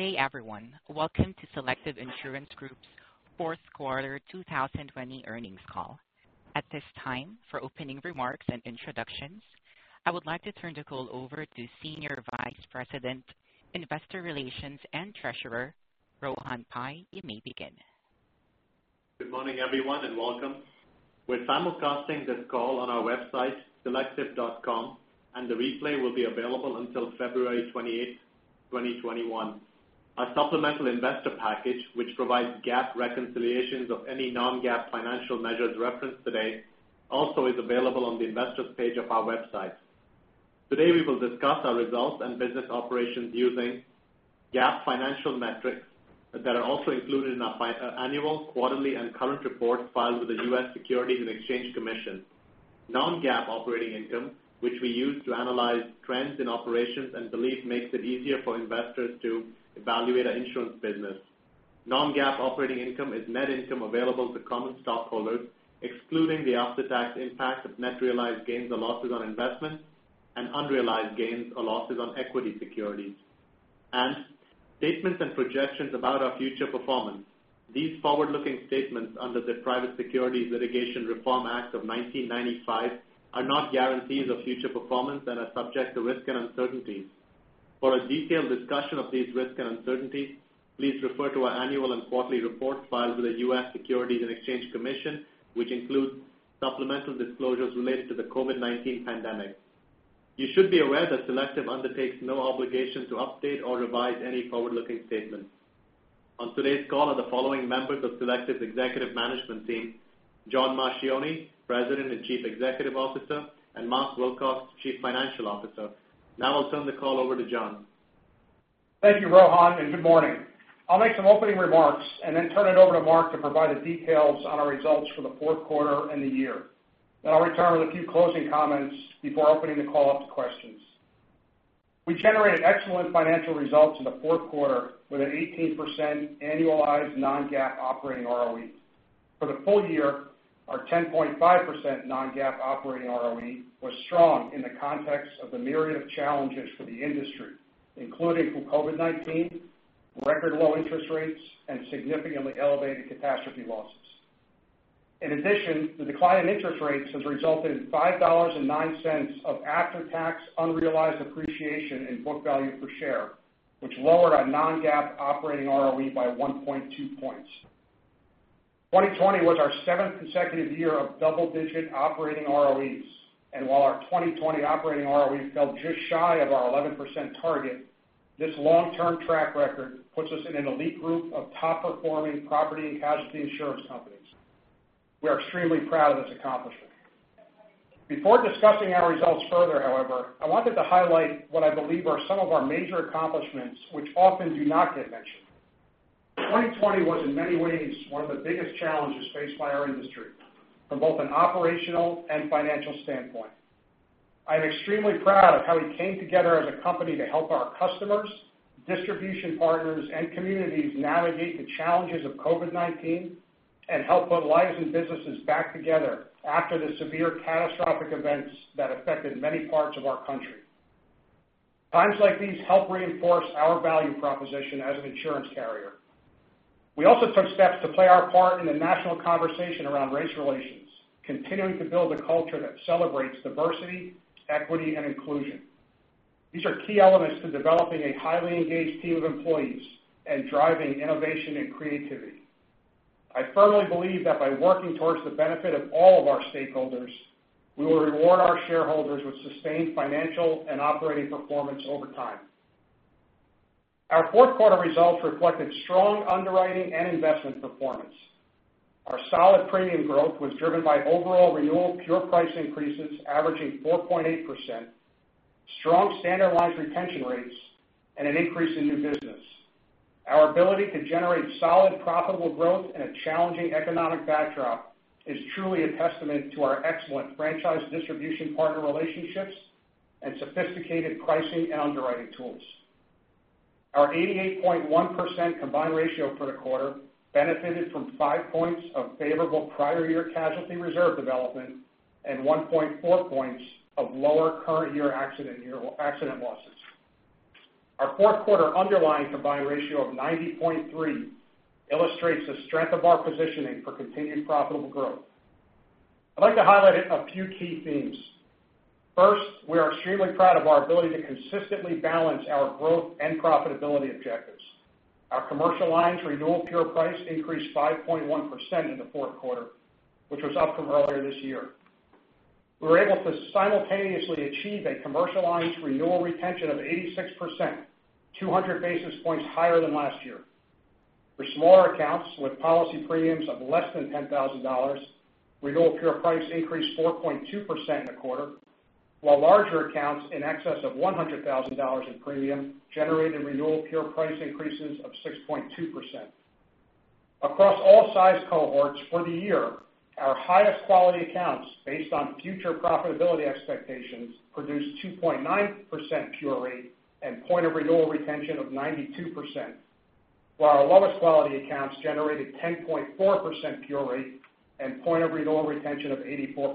Hey, everyone. Welcome to Selective Insurance Group's fourth quarter 2020 earnings call. At this time, for opening remarks and introductions, I would like to turn the call over to Senior Vice President, Investor Relations and Treasurer Rohan Pai. You may begin. Good morning, everyone. Welcome. We're simulcasting this call on our website, selective.com, and the replay will be available until February 28th, 2021. Our supplemental investor package, which provides GAAP reconciliations of any non-GAAP financial measures referenced today, also is available on the investor's page of our website. Today, we will discuss our results and business operations using GAAP financial metrics that are also included in our annual, quarterly, and current reports filed with the U.S. Securities and Exchange Commission, non-GAAP operating income, which we use to analyze trends in operations and believe makes it easier for investors to evaluate our insurance business, and statements and projections about our future performance. Non-GAAP operating income is net income available to common stockholders, excluding the after-tax impact of net realized gains or losses on investments and unrealized gains or losses on equity securities. These forward-looking statements under the Private Securities Litigation Reform Act of 1995 are not guarantees of future performance and are subject to risk and uncertainties. For a detailed discussion of these risks and uncertainties, please refer to our annual and quarterly reports filed with the U.S. Securities and Exchange Commission, which include supplemental disclosures related to the COVID-19 pandemic. You should be aware that Selective undertakes no obligation to update or revise any forward-looking statements. On today's call are the following members of Selective's executive management team: John Marchioni, President and Chief Executive Officer; and Mark Wilcox, Chief Financial Officer. I'll turn the call over to John. Thank you, Rohan. Good morning. I'll make some opening remarks and then turn it over to Mark to provide the details on our results for the fourth quarter and the year. I'll return with a few closing comments before opening the call up to questions. We generated excellent financial results in the fourth quarter with an 18% annualized non-GAAP operating ROE. For the full year, our 10.5% non-GAAP operating ROE was strong in the context of the myriad of challenges for the industry, including COVID-19, record low interest rates, and significantly elevated catastrophe losses. In addition, the decline in interest rates has resulted in $5.09 of after-tax unrealized appreciation in book value per share, which lowered our non-GAAP operating ROE by 1.2 points. 2020 was our seventh consecutive year of double-digit operating ROEs. While our 2020 operating ROE fell just shy of our 11% target, this long-term track record puts us in an elite group of top-performing property and casualty insurance companies. We are extremely proud of this accomplishment. Before discussing our results further, however, I wanted to highlight what I believe are some of our major accomplishments, which often do not get mentioned. 2020 was, in many ways, one of the biggest challenges faced by our industry from both an operational and financial standpoint. I am extremely proud of how we came together as a company to help our customers, distribution partners, and communities navigate the challenges of COVID-19 and help put lives and businesses back together after the severe catastrophic events that affected many parts of our country. Times like these help reinforce our value proposition as an insurance carrier. We also took steps to play our part in the national conversation around race relations, continuing to build a culture that celebrates diversity, equity, and inclusion. These are key elements to developing a highly engaged team of employees and driving innovation and creativity. I firmly believe that by working towards the benefit of all of our stakeholders, we will reward our shareholders with sustained financial and operating performance over time. Our fourth quarter results reflected strong underwriting and investment performance. Our solid premium growth was driven by overall renewal pure price increases averaging 4.8%, strong standard lines retention rates, and an increase in new business. Our ability to generate solid, profitable growth in a challenging economic backdrop is truly a testament to our excellent franchise distribution partner relationships and sophisticated pricing and underwriting tools. Our 88.1% combined ratio for the quarter benefited from five points of favorable prior year casualty reserve development and 1.4 points of lower current year accident losses. Our fourth quarter underlying combined ratio of 90.3 illustrates the strength of our positioning for continued profitable growth. I'd like to highlight a few key themes. First, we are extremely proud of our ability to consistently balance our growth and profitability objectives. Our commercial lines renewal pure price increased 5.1% in the fourth quarter, which was up from earlier this year. We were able to simultaneously achieve a commercial lines renewal retention of 86%, 200 basis points higher than last year. For smaller accounts with policy premiums of less than $10,000, renewal pure price increased 4.2% in the quarter, while larger accounts in excess of $100,000 in premium generated renewal pure price increases of 6.2%. Across all size cohorts for the year, our highest quality accounts, based on future profitability expectations, produced 2.9% pure rate and point of renewal retention of 92%, while our lowest quality accounts generated 10.4% pure rate and point of renewal retention of 84%.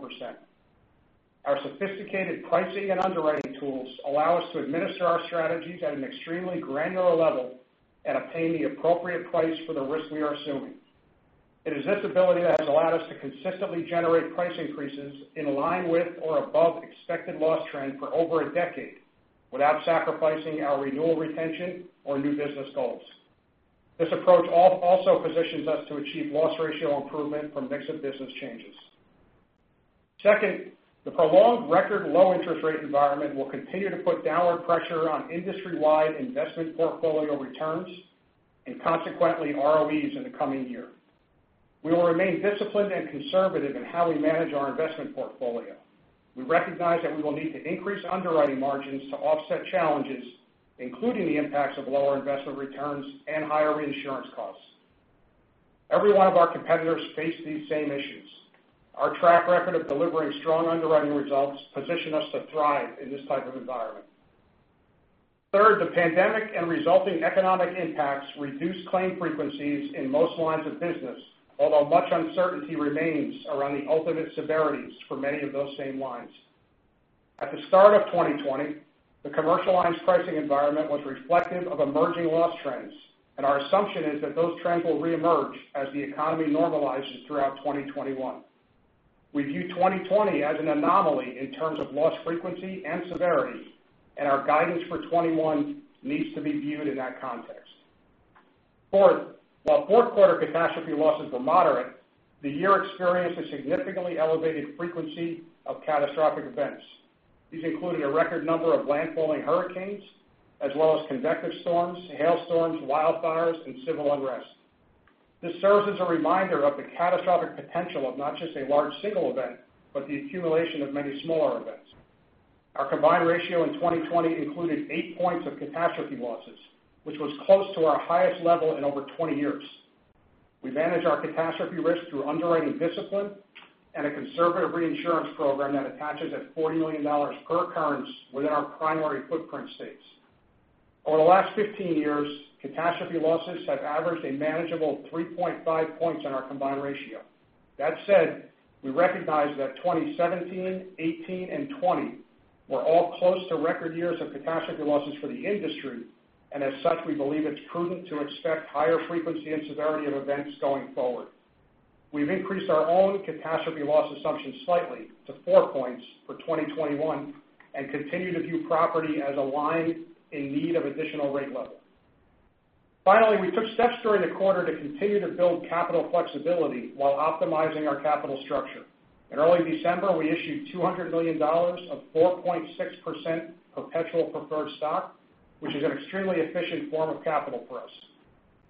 Our sophisticated pricing and underwriting tools allow us to administer our strategies at an extremely granular level and obtain the appropriate price for the risk we are assuming. It is this ability that has allowed us to consistently generate price increases in line with or above expected loss trend for over a decade without sacrificing our renewal retention or new business goals. This approach also positions us to achieve loss ratio improvement from mix of business changes. Second, the prolonged record low interest rate environment will continue to put downward pressure on industry-wide investment portfolio returns, and consequently ROEs in the coming year. We will remain disciplined and conservative in how we manage our investment portfolio. We recognize that we will need to increase underwriting margins to offset challenges, including the impacts of lower investment returns and higher reinsurance costs. Every one of our competitors face these same issues. Our track record of delivering strong underwriting results position us to thrive in this type of environment. Third, the pandemic and resulting economic impacts reduced claim frequencies in most lines of business, although much uncertainty remains around the ultimate severities for many of those same lines. At the start of 2020, the Commercial Lines pricing environment was reflective of emerging loss trends, and our assumption is that those trends will reemerge as the economy normalizes throughout 2021. We view 2020 as an anomaly in terms of loss frequency and severity, and our guidance for 2021 needs to be viewed in that context. Fourth, while fourth quarter catastrophe losses were moderate, the year experienced a significantly elevated frequency of catastrophic events. These included a record number of landfalling hurricanes, as well as convective storms, hail storms, wildfires, and civil unrest. This serves as a reminder of the catastrophic potential of not just a large single event, but the accumulation of many smaller events. Our combined ratio in 2020 included eight points of catastrophe losses, which was close to our highest level in over 20 years. We manage our catastrophe risk through underwriting discipline and a conservative reinsurance program that attaches at $40 million per occurrence within our primary footprint states. Over the last 15 years, catastrophe losses have averaged a manageable 3.5 points in our combined ratio. We recognize that 2017, 2018, and 2020 were all close to record years of catastrophe losses for the industry, we believe it's prudent to expect higher frequency and severity of events going forward. We've increased our own catastrophe loss assumption slightly to four points for 2021, and continue to view property as a line in need of additional rate level. Finally, we took steps during the quarter to continue to build capital flexibility while optimizing our capital structure. In early December, we issued $200 million of 4.6% perpetual preferred stock, which is an extremely efficient form of capital for us.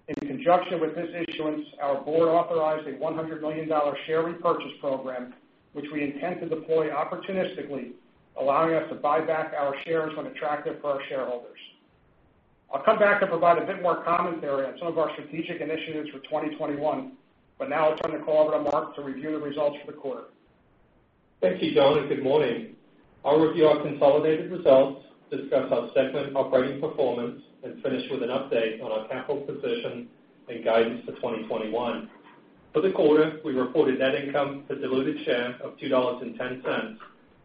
In conjunction with this issuance, our board authorized a $100 million share repurchase program, which we intend to deploy opportunistically, allowing us to buy back our shares when attractive for our shareholders. I'll come back to provide a bit more commentary on some of our strategic initiatives for 2021. I'll turn the call over to Mark to review the results for the quarter. Thank you, John, and good morning. I'll review our consolidated results, discuss our segment operating performance, and finish with an update on our capital position and guidance for 2021. For the quarter, we reported net income per diluted share of $2.10.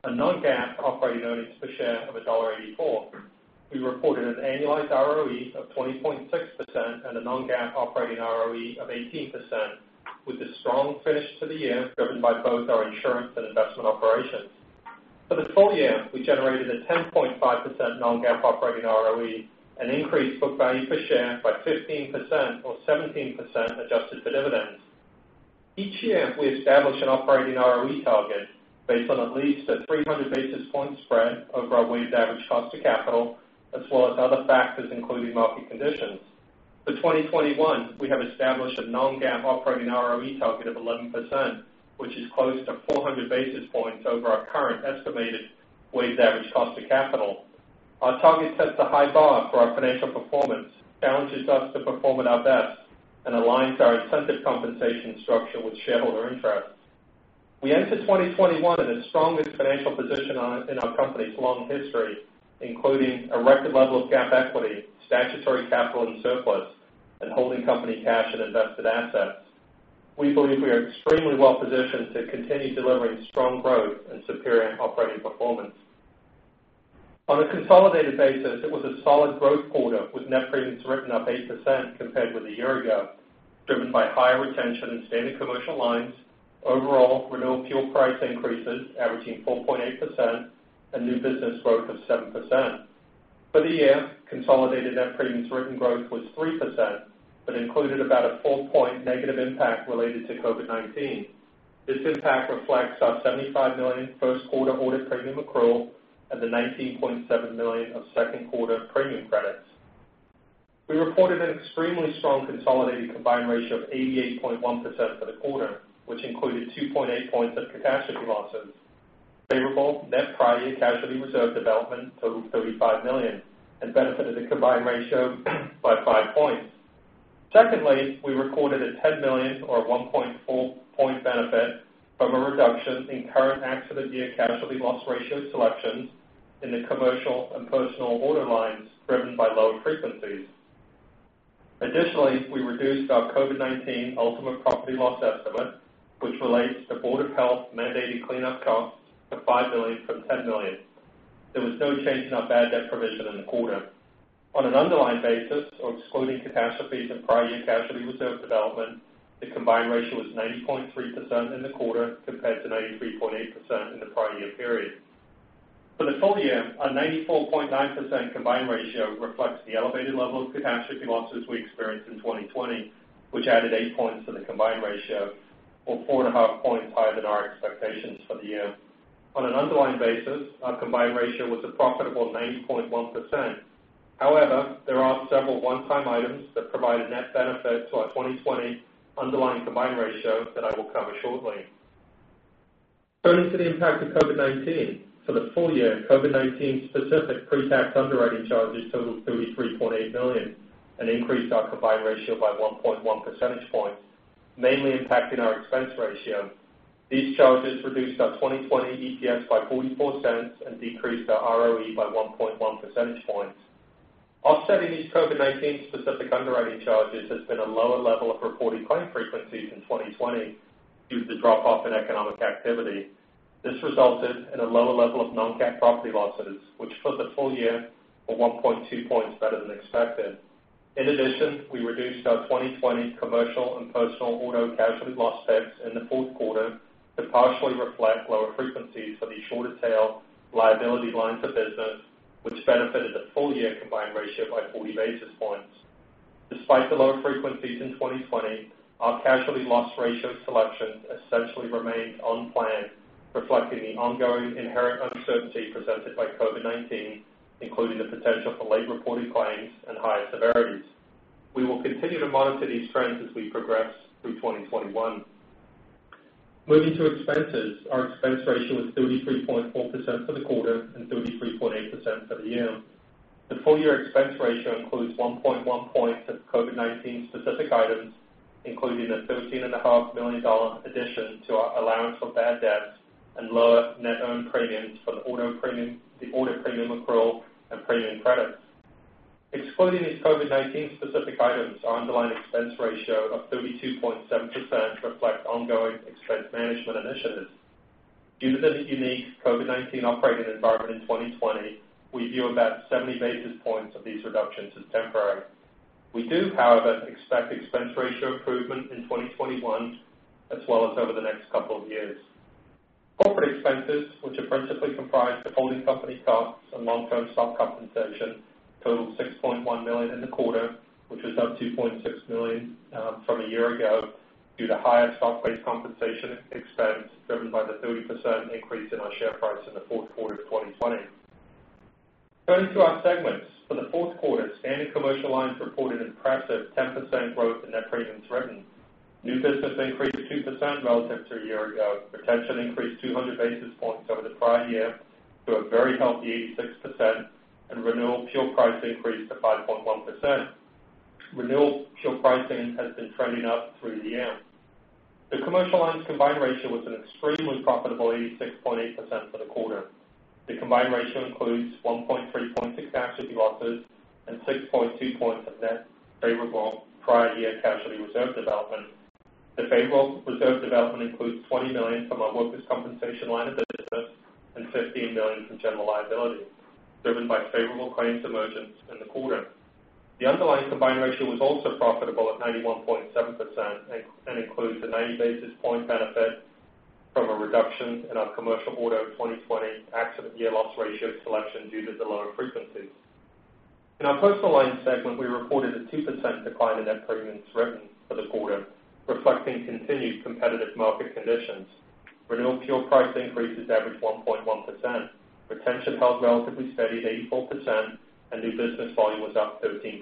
A non-GAAP operating earnings per share of $1.84. We reported an annualized ROE of 20.6% and a non-GAAP operating ROE of 18%, with a strong finish to the year driven by both our insurance and investment operations. For the full year, we generated a 10.5% non-GAAP operating ROE, an increased book value per share by 15% or 17% adjusted for dividends. Each year, we establish an operating ROE target based on at least a 300 basis point spread over our weighted average cost of capital, as well as other factors, including market conditions. For 2021, we have established a non-GAAP operating ROE target of 11%, which is close to 400 basis points over our current estimated weighted average cost of capital. Our target sets a high bar for our financial performance, challenges us to perform at our best, and aligns our incentive compensation structure with shareholder interests. We enter 2021 in the strongest financial position in our company's long history, including a record level of GAAP equity, statutory capital and surplus, and holding company cash and invested assets. We believe we are extremely well-positioned to continue delivering strong growth and superior operating performance. On a consolidated basis, it was a solid growth quarter, with net premiums written up 8% compared with a year ago, driven by higher retention in Standard Commercial Lines, overall renewal pure price increases averaging 4.8%, and new business growth of 7%. For the year, consolidated net premiums written growth was 3% but included about a four-point negative impact related to COVID-19. This impact reflects our $75 million first quarter audit premium accrual and the $19.7 million of second quarter premium credits. We reported an extremely strong consolidated combined ratio of 88.1% for the quarter, which included 2.8 points of catastrophe losses. Favorable net prior year casualty reserve development totaled $35 million and benefited the combined ratio by five points. Secondly, we recorded a $10 million or a 1.4 point benefit from a reduction in current accident year casualty loss ratio selections in the Commercial Auto and Personal Auto lines driven by low frequencies. Additionally, we reduced our COVID-19 ultimate property loss estimate, which relates to Board of Health-mandated cleanup costs to $5 million from $10 million. There was no change in our bad debt provision in the quarter. On an underlying basis or excluding catastrophes and prior year casualty reserve development, the combined ratio was 90.3% in the quarter compared to 93.8% in the prior year period. For the full year, our 94.9% combined ratio reflects the elevated level of catastrophe losses we experienced in 2020, which added eight points to the combined ratio or four and a half points higher than our expectations for the year. On an underlying basis, our combined ratio was a profitable 90.1%. However, there are several one-time items that provided net benefits to our 2020 underlying combined ratio that I will cover shortly. Turning to the impact of COVID-19. For the full year, COVID-19 specific pre-tax underwriting charges totaled $33.8 million and increased our combined ratio by 1.1 percentage points, mainly impacting our expense ratio. These charges reduced our 2020 EPS by $0.44 and decreased our ROE by 1.1 percentage points. Offsetting these COVID-19 specific underwriting charges has been a lower level of reported claim frequencies in 2020 due to drop-off in economic activity. This resulted in a lower level of non-cat property losses, which took the full year of 1.2 points better than expected. In addition, we reduced our 2020 Commercial Auto and Personal Auto casualty loss picks in the fourth quarter to partially reflect lower frequencies for these shorter tail liability lines of business, which benefited the full year combined ratio by 40 basis points. Despite the lower frequencies in 2020, our casualty loss ratio selection essentially remained on plan, reflecting the ongoing inherent uncertainty presented by COVID-19, including the potential for late-reported claims and higher severities. We will continue to monitor these trends as we progress through 2021. Moving to expenses. Our expense ratio was 33.4% for the quarter and 33.8% for the year. The full year expense ratio includes 1.1 points of COVID-19 specific items, including a $13.5 million addition to our allowance for bad debts and lower net earned premiums for the auto premium accrual and premium credits. Excluding these COVID-19 specific items, our underlying expense ratio of 32.7% reflects ongoing expense management initiatives. Due to the unique COVID-19 operating environment in 2020, we view about 70 basis points of these reductions as temporary. We do, however, expect expense ratio improvement in 2021, as well as over the next couple of years. Corporate expenses, which are principally comprised of holding company costs and long-term stock compensation, totaled $6.1 million in the quarter, which was up $2.6 million from a year ago due to higher stock-based compensation expense driven by the 30% increase in our share price in the fourth quarter of 2020. Turning to our segments. For the fourth quarter, Standard Commercial Lines reported impressive 10% growth in net premiums written. New business increased 2% relative to a year ago. Retention increased 200 basis points over the prior year to a very healthy 86%, and renewal pure price increase to 5.1%. Renewal pure pricing has been trending up through the year. The Commercial Lines combined ratio was an extremely profitable 86.8% for the quarter. The combined ratio includes 1.3 points of catastrophe losses and 6.2 points of net favorable prior year casualty reserve development. The favorable reserve development includes $20 million from our Workers' Compensation line of business and $15 million from General Liability, driven by favorable claims emergence in the quarter. The underlying combined ratio was also profitable at 91.7% and includes the 90 basis point benefit from a reduction in our Commercial Auto 2020 accident year loss ratio selection due to the lower frequencies. In our Personal Lines segment, we reported a 2% decline in net premiums written for the quarter, reflecting continued competitive market conditions. Renewal pure price increases averaged 1.1%. Retention held relatively steady at 84%, and new business volume was up 13%.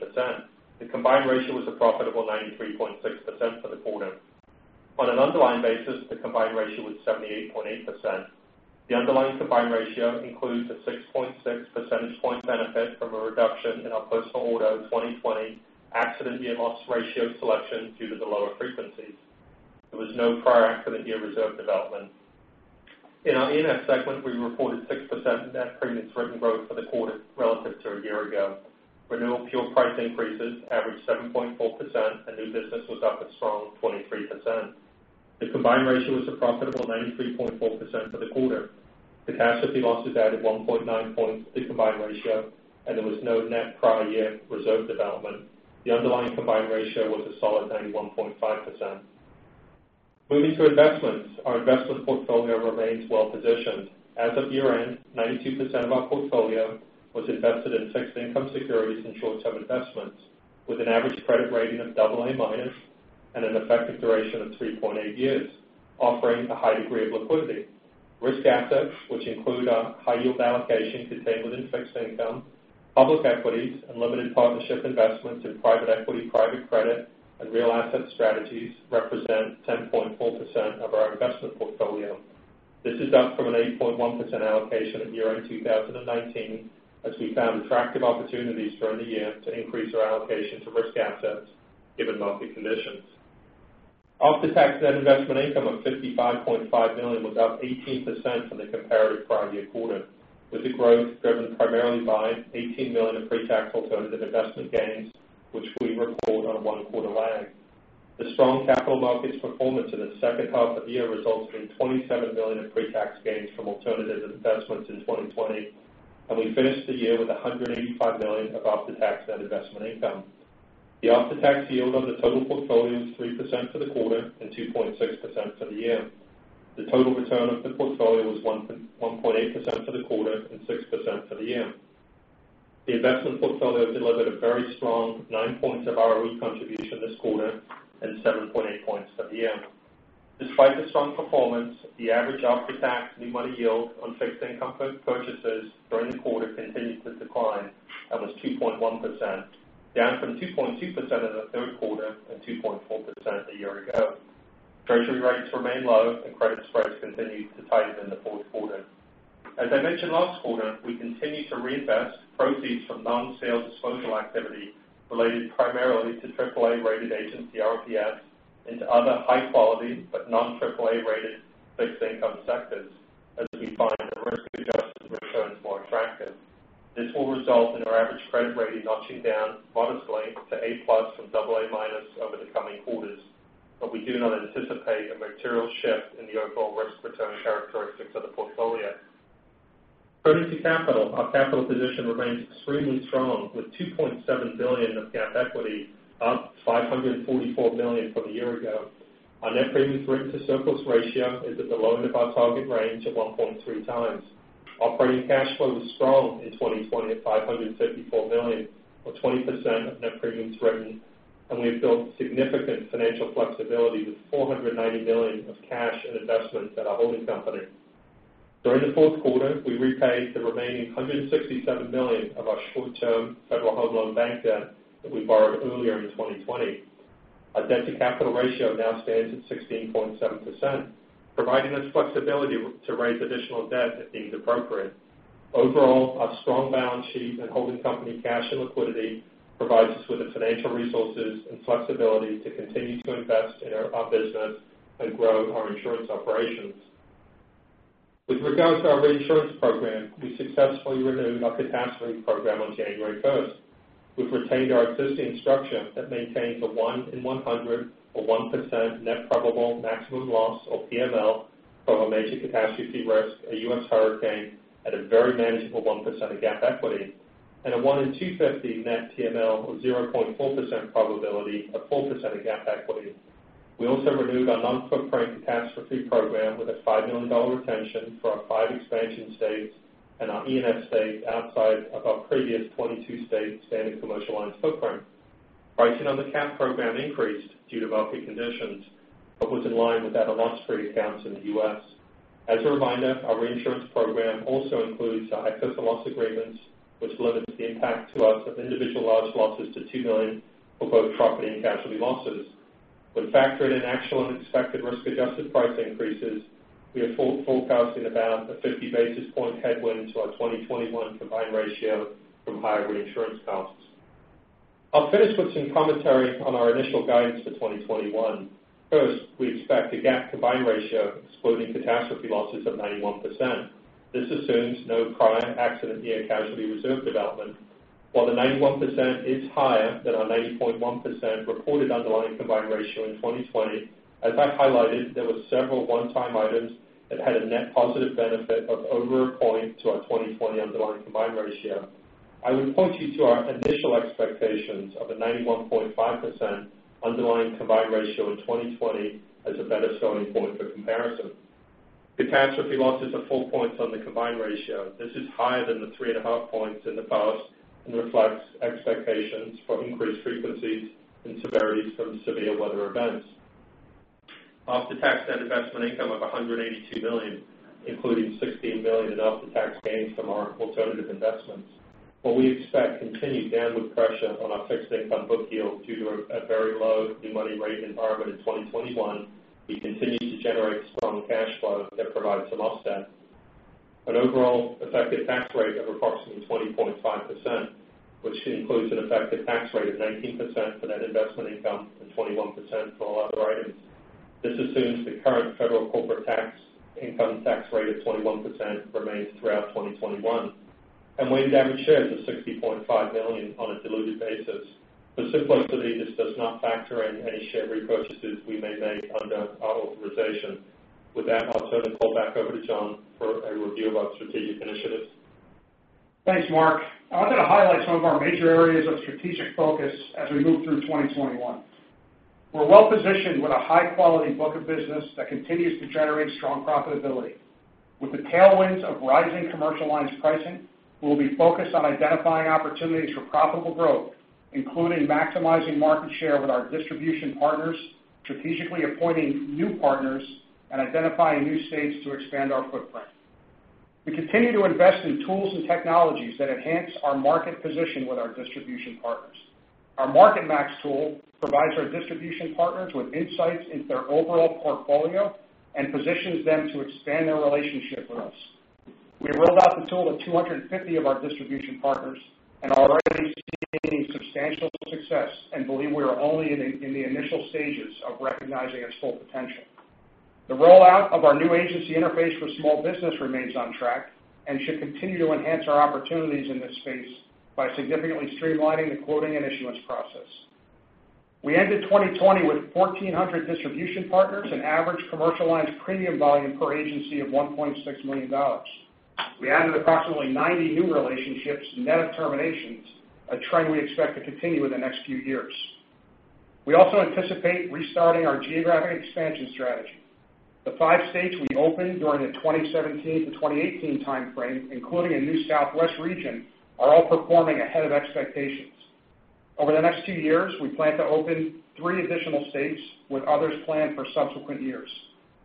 The combined ratio was a profitable 93.6% for the quarter. On an underlying basis, the combined ratio was 78.8%. The underlying combined ratio includes a 6.6 percentage point benefit from a reduction in our Personal Auto 2020 accident year loss ratio selection due to the lower frequencies. There was no prior accident year reserve development. In our E&S segment, we reported 6% net premiums written growth for the quarter relative to a year ago. Renewal pure price increases averaged 7.4%, and new business was up a strong 23%. The combined ratio was a profitable 93.4% for the quarter. The catastrophe losses added 1.9 points to the combined ratio, there was no net prior year reserve development. The underlying combined ratio was a solid 91.5%. Moving to investments. Our investment portfolio remains well-positioned. As of year-end, 92% of our portfolio was invested in fixed income securities and short-term investments with an average credit rating of A-minus and an effective duration of 3.8 years, offering a high degree of liquidity. Risk assets, which include our high yield allocation contained within fixed income, public equities, and limited partnership investments in private equity, private credit, and real asset strategies represent 10.4% of our investment portfolio. This is up from an 8.1% allocation at year-end 2019, as we found attractive opportunities during the year to increase our allocation to risk assets given market conditions. After-tax net investment income of $55.5 million was up 18% from the comparative prior year quarter, with the growth driven primarily by $18 million of pre-tax alternative investment gains, which we record on a one quarter lag. The strong capital markets performance in the second half of the year resulted in $27 million of pre-tax gains from alternative investments in 2020, we finished the year with $185 million of after-tax net investment income. The after-tax yield on the total portfolio was 3% for the quarter and 2.6% for the year. The total return of the portfolio was 1.8% for the quarter and 6% for the year. The investment portfolio delivered a very strong nine points of ROE contribution this quarter and 7.8 points for the year. Despite the strong performance, the average after-tax new money yield on fixed income purchases during the quarter continued to decline and was 2.1%, down from 2.2% in the third quarter and 2.4% a year ago. Treasury rates remain low, credit spreads continued to tighten in the fourth quarter. As I mentioned last quarter, we continue to reinvest proceeds from non-sale disposal activity related primarily to AAA-rated agency RMBS into other high-quality but non-AAA-rated fixed income sectors, as we find the risk-adjusted return is more attractive. This will result in our average credit rating notching down modestly to A+ from AA- over the coming quarters, we do not anticipate a material shift in the overall risk return characteristics of the portfolio. Turning to capital, our capital position remains extremely strong with $2.7 billion of GAAP equity, up $544 million from a year ago. Our net premiums written to surplus ratio is at the low end of our target range of 1.3 times. Operating cash flow was strong in 2020 at $554 million, or 20% of net premiums written, we have built significant financial flexibility with $490 million of cash and investments at our holding company. During the fourth quarter, we repaid the remaining $167 million of our short-term Federal Home Loan Bank debt that we borrowed earlier in 2020. Our debt-to-capital ratio now stands at 16.7%, providing us flexibility to raise additional debt if deemed appropriate. Overall, our strong balance sheet and holding company cash and liquidity provides us with the financial resources and flexibility to continue to invest in our business and grow our insurance operations. With regards to our reinsurance program, we successfully renewed our catastrophe program on January 1st. We've retained our existing structure that maintains a one in 100 or 1% net probable maximum loss, or PML, from a major catastrophe risk, a U.S. hurricane, at a very manageable 1% of GAAP equity, and a one in 250 net PML, or 0.4% probability, a 4% of GAAP equity. We also renewed our non-footprint catastrophe program with a $5 million retention for our five expansion states and our E&S states outside of our previous 22 state Standard Commercial Lines footprint. Pricing on the cat program increased due to market conditions but was in line with other large treaty accounts in the U.S. As a reminder, our reinsurance program also includes our excess of loss agreements, which limits the impact to us of individual large losses to $2 million for both property and casualty losses. When factored in actual and expected risk-adjusted price increases, we are forecasting about a 50 basis point headwind to our 2021 combined ratio from higher reinsurance costs. I'll finish with some commentary on our initial guidance for 2021. First, we expect a GAAP combined ratio excluding catastrophe losses of 91%. This assumes no prior accident year casualty reserve development. While the 91% is higher than our 90.1% reported underlying combined ratio in 2020, as I highlighted, there were several one-time items that had a net positive benefit of over a point to our 2020 underlying combined ratio. I would point you to our initial expectations of a 91.5% underlying combined ratio in 2020 as a better starting point for comparison. Catastrophe losses are four points on the combined ratio. This is higher than the three and a half points in the past and reflects expectations for increased frequencies and severities from severe weather events. After-tax net investment income of $182 million, including $16 million in after-tax gains from our alternative investments. While we expect continued downward pressure on our fixed income book yield due to a very low new money rate environment in 2021, we continue to generate strong cash flow that provides some offset. An overall effective tax rate of approximately 20.5%, which includes an effective tax rate of 19% for net investment income and 21% for all other items. This assumes the current federal corporate tax income tax rate of 21% remains throughout 2021, and weighted average shares of 60.5 million on a diluted basis. For simplicity, this does not factor in any share repurchases we may make under our authorization. With that, I'll turn the call back over to John for a review of our strategic initiatives. Thanks, Mark. I want to highlight some of our major areas of strategic focus as we move through 2021. We're well-positioned with a high-quality book of business that continues to generate strong profitability. With the tailwinds of rising Commercial Lines pricing, we'll be focused on identifying opportunities for profitable growth, including maximizing market share with our distribution partners, strategically appointing new partners, and identifying new states to expand our footprint. We continue to invest in tools and technologies that enhance our market position with our distribution partners. Our MarketMax tool provides our distribution partners with insights into their overall portfolio and positions them to expand their relationship with us. We rolled out the tool to 250 of our distribution partners and are already seeing substantial success and believe we are only in the initial stages of recognizing its full potential. The rollout of our new agency interface for small business remains on track and should continue to enhance our opportunities in this space by significantly streamlining the quoting and issuance process. We ended 2020 with 1,400 distribution partners, an average Commercial Lines premium volume per agency of $1.6 million. We added approximately 90 new relationships, net of terminations, a trend we expect to continue in the next few years. We also anticipate restarting our geographic expansion strategy. The five states we opened during the 2017 to 2018 timeframe, including a new Southwest region, are all performing ahead of expectations. Over the next two years, we plan to open three additional states with others planned for subsequent years.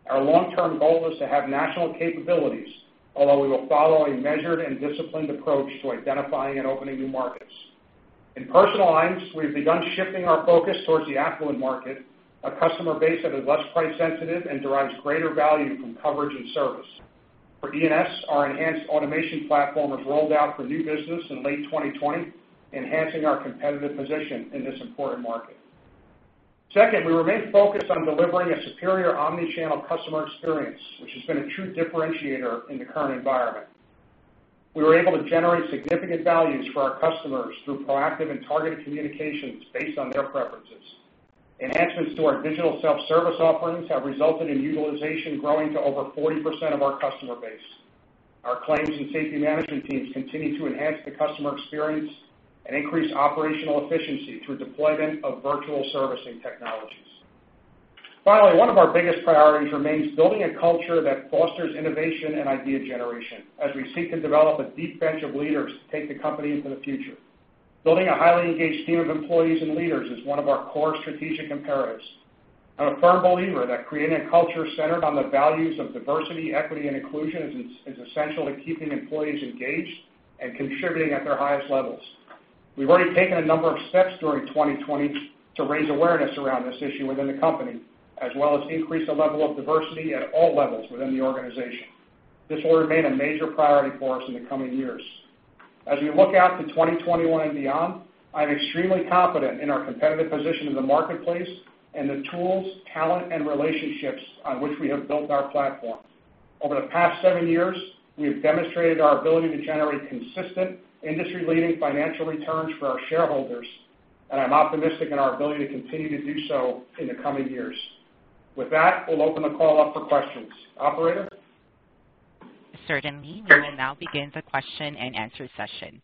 Our long-term goal is to have national capabilities, although we will follow a measured and disciplined approach to identifying and opening new markets. In Personal Lines, we've begun shifting our focus towards the affluent market, a customer base that is less price sensitive and derives greater value from coverage and service. For E&S, our enhanced automation platform was rolled out for new business in late 2020, enhancing our competitive position in this important market. Second, we remain focused on delivering a superior omni-channel customer experience, which has been a true differentiator in the current environment. We were able to generate significant values for our customers through proactive and targeted communications based on their preferences. Enhancements to our digital self-service offerings have resulted in utilization growing to over 40% of our customer base. Our claims and safety management teams continue to enhance the customer experience and increase operational efficiency through deployment of virtual servicing technologies. Finally, one of our biggest priorities remains building a culture that fosters innovation and idea generation as we seek to develop a deep bench of leaders to take the company into the future. Building a highly engaged team of employees and leaders is one of our core strategic imperatives. I'm a firm believer that creating a culture centered on the values of diversity, equity, and inclusion is essential to keeping employees engaged and contributing at their highest levels. We've already taken a number of steps during 2020 to raise awareness around this issue within the company, as well as increase the level of diversity at all levels within the organization. This will remain a major priority for us in the coming years. As we look out to 2021 and beyond, I'm extremely confident in our competitive position in the marketplace and the tools, talent, and relationships on which we have built our platform. Over the past seven years, we have demonstrated our ability to generate consistent industry-leading financial returns for our shareholders, and I'm optimistic in our ability to continue to do so in the coming years. With that, we'll open the call up for questions. Operator? Certainly. We will now begin the question and answer session.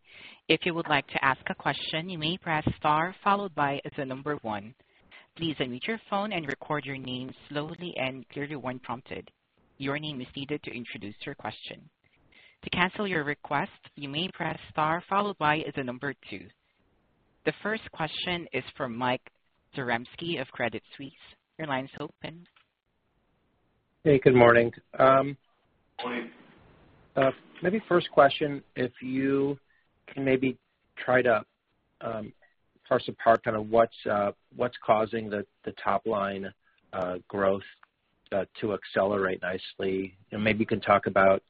If you would like to ask a question, you may press star followed by the number 1. Please unmute your phone and record your name slowly and clearly when prompted. Your name is needed to introduce your question. To cancel your request, you may press star followed by the number 2. The first question is from Michael Zaremski of Credit Suisse. Your line's open. Hey, good morning. Morning. Maybe first question, if you can maybe try to parse apart what's causing the top-line growth to accelerate nicely. Maybe you can talk about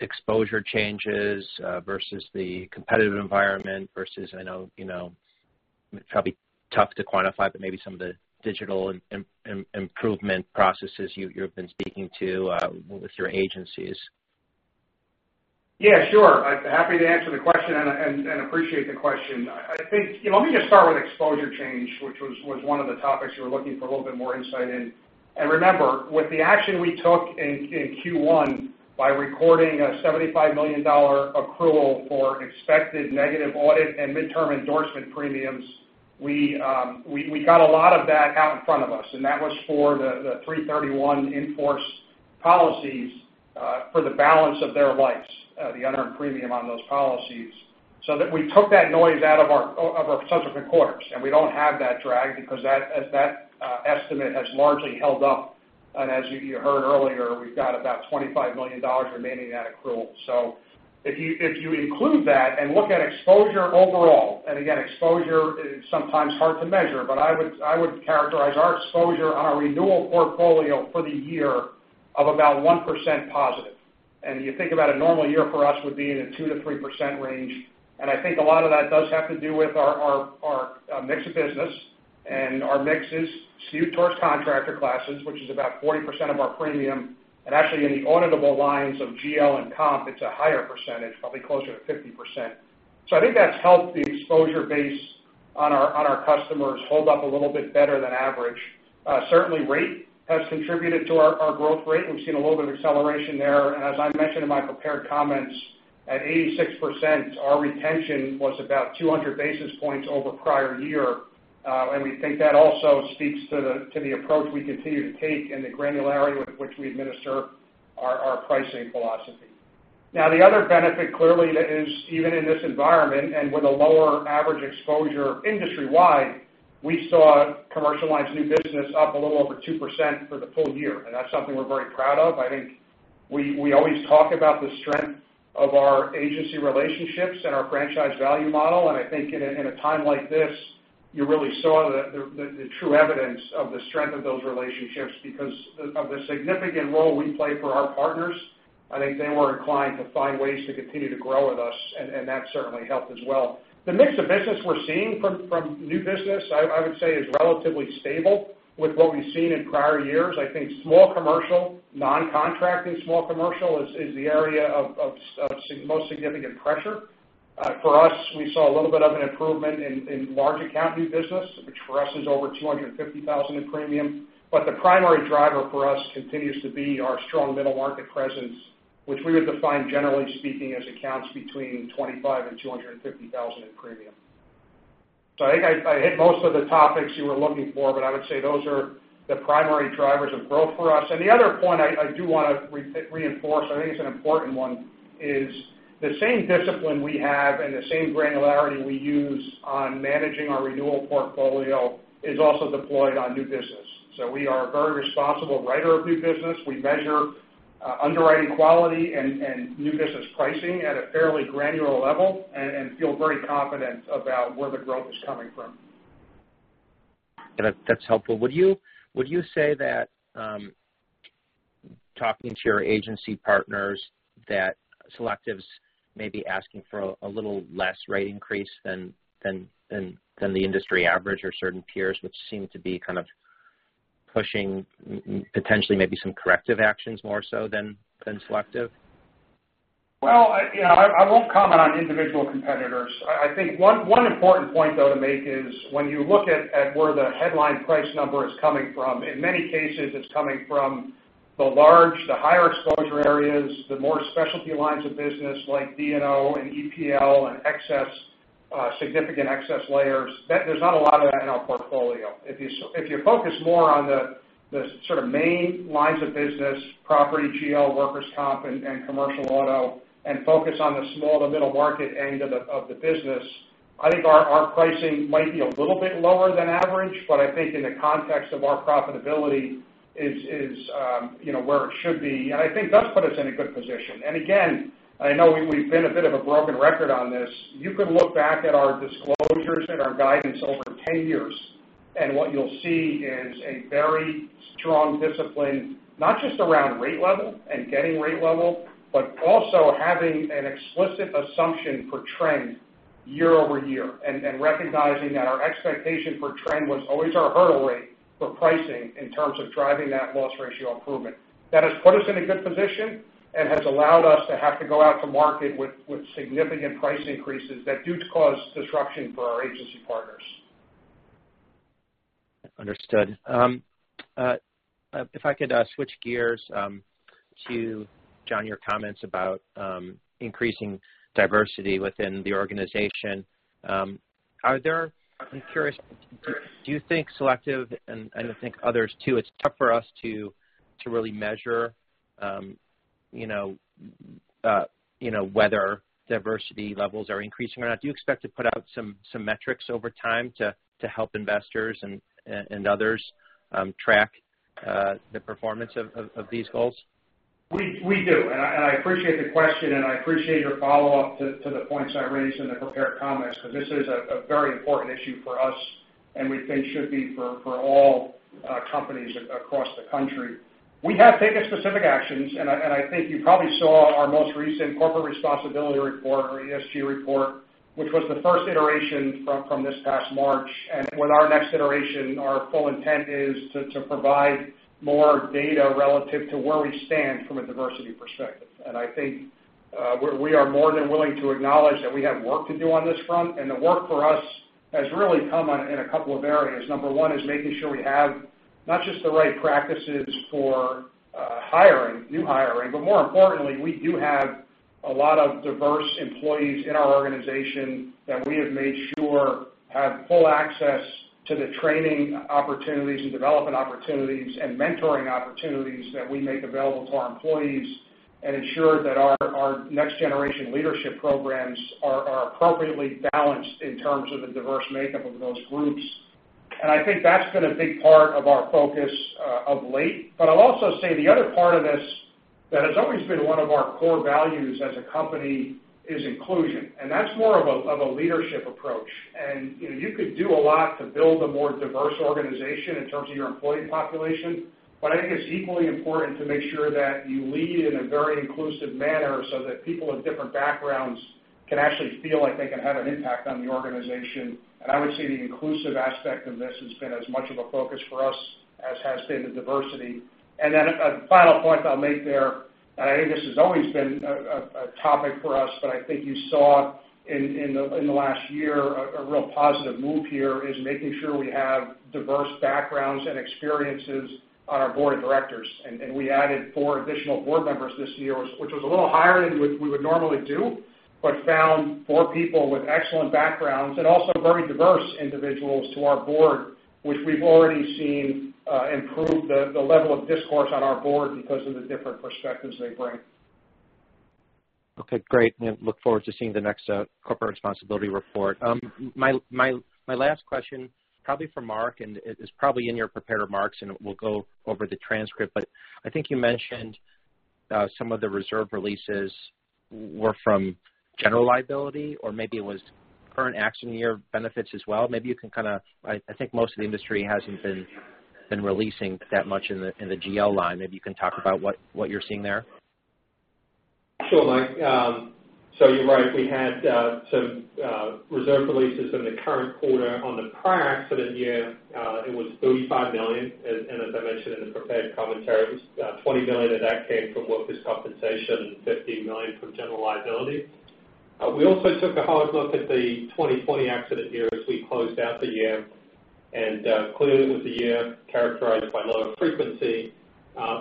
exposure changes versus the competitive environment versus, I know it's probably tough to quantify, but maybe some of the digital improvement processes you've been speaking to with your agencies. Sure. Happy to answer the question and appreciate the question. Let me just start with exposure change, which was one of the topics you were looking for a little bit more insight in. Remember, with the action we took in Q1 by recording a $75 million accrual for expected negative audit and midterm endorsement premiums, we got a lot of that out in front of us, and that was for the 331 in-force policies for the balance of their lives, the unearned premium on those policies. We took that noise out of our subsequent quarters, and we don't have that drag because that estimate has largely held up. As you heard earlier, we've got about $25 million remaining in that accrual. If you include that and look at exposure overall, again, exposure is sometimes hard to measure, but I would characterize our exposure on our renewal portfolio for the year of about 1% positive. You think about a normal year for us would be in a 2%-3% range. I think a lot of that does have to do with our mix of business and our mixes to tort contractor classes, which is about 40% of our premium. Actually, in the auditable lines of GL and comp, it's a higher percentage, probably closer to 50%. I think that's helped the exposure base on our customers hold up a little bit better than average. Certainly, rate has contributed to our growth rate. We've seen a little bit of acceleration there. As I mentioned in my prepared comments, at 86%, our retention was about 200 basis points over prior year. We think that also speaks to the approach we continue to take and the granularity with which we administer our pricing philosophy. The other benefit clearly is, even in this environment and with a lower average exposure industry-wide, we saw commercial lines new business up a little over 2% for the full year, that's something we're very proud of. I think we always talk about the strength of our agency relationships and our franchise value model, and I think in a time like this, you really saw the true evidence of the strength of those relationships because of the significant role we play for our partners. I think they were inclined to find ways to continue to grow with us, that certainly helped as well. The mix of business we're seeing from new business, I would say is relatively stable with what we've seen in prior years. I think small commercial, non-contracting small commercial is the area of most significant pressure. For us, we saw a little bit of an improvement in large account new business, which for us is over $250,000 in premium. The primary driver for us continues to be our strong middle market presence, which we would define, generally speaking, as accounts between $25,000 and $250,000 in premium. I think I hit most of the topics you were looking for, I would say those are the primary drivers of growth for us. The other point I do want to reinforce, I think it's an important one, is the same discipline we have and the same granularity we use on managing our renewal portfolio is also deployed on new business. We are a very responsible writer of new business. We measure underwriting quality and new business pricing at a fairly granular level and feel very confident about where the growth is coming from. That's helpful. Would you say that, talking to your agency partners, that Selective's maybe asking for a little less rate increase than the industry average or certain peers, which seem to be kind of pushing potentially maybe some corrective actions more so than Selective? I won't comment on individual competitors. I think one important point, though, to make is when you look at where the headline price number is coming from, in many cases, it's coming from the large, the higher exposure areas, the more specialty lines of business like D&O and EPL and significant excess layers. There's not a lot of that in our portfolio. If you focus more on the sort of main lines of business, property, GL, workers' comp, and Commercial Auto, and focus on the small to middle market end of the business, I think our pricing might be a little bit lower than average, but I think in the context of our profitability is where it should be. I think it does put us in a good position. Again, I know we've been a bit of a broken record on this. You could look back at our disclosures and our guidance over 10 years, and what you'll see is a very strong discipline, not just around rate level and getting rate level, but also having an explicit assumption for trend year-over-year, and recognizing that our expectation for trend was always our hurdle rate for pricing in terms of driving that loss ratio improvement. That has put us in a good position and has allowed us to have to go out to market with significant price increases that do cause disruption for our agency partners. Understood. If I could switch gears to, John, your comments about increasing diversity within the organization. I'm curious, do you think Selective and I think others, too, it's tough for us to really measure whether diversity levels are increasing or not. Do you expect to put out some metrics over time to help investors and others track the performance of these goals? We do. I appreciate the question. I appreciate your follow-up to the points I raised in the prepared comments, because this is a very important issue for us and we think should be for all companies across the country. We have taken specific actions. I think you probably saw our most recent corporate responsibility report or ESG report, which was the first iteration from this past March. With our next iteration, our full intent is to provide more data relative to where we stand from a diversity perspective. I think we are more than willing to acknowledge that we have work to do on this front, and the work for us has really come in a couple of areas. Number one is making sure we have not just the right practices for hiring, new hiring, but more importantly, we do have a lot of diverse employees in our organization that we have made sure have full access to the training opportunities and development opportunities and mentoring opportunities that we make available to our employees and ensure that our next generation leadership programs are appropriately balanced in terms of the diverse makeup of those groups. I think that's been a big part of our focus of late. I'll also say the other part of this that has always been one of our core values as a company is inclusion, and that's more of a leadership approach. You could do a lot to build a more diverse organization in terms of your employee population, but I think it's equally important to make sure that you lead in a very inclusive manner so that people of different backgrounds can actually feel like they can have an impact on the organization. I would say the inclusive aspect of this has been as much of a focus for us as has been the diversity. Then a final point I'll make there, and I think this has always been a topic for us, but I think you saw in the last year a real positive move here, is making sure we have diverse backgrounds and experiences on our board of directors. We added four additional board members this year, which was a little higher than we would normally do, found four people with excellent backgrounds and also very diverse individuals to our board, which we've already seen improve the level of discourse on our board because of the different perspectives they bring. Okay, great. Look forward to seeing the next corporate responsibility report. My last question, probably for Mark, it is probably in your prepared remarks, we'll go over the transcript, I think you mentioned Some of the reserve releases were from General Liability, or maybe it was current accident year benefits as well. I think most of the industry hasn't been releasing that much in the GL line. Maybe you can talk about what you're seeing there. Sure, Mike. You're right. We had some reserve releases in the current quarter. On the prior accident year, it was $35 million, as I mentioned in the prepared commentary, $20 million of that came from Workers' Compensation, $15 million from General Liability. We also took a hard look at the 2020 accident year as we closed out the year, clearly it was a year characterized by lower frequency.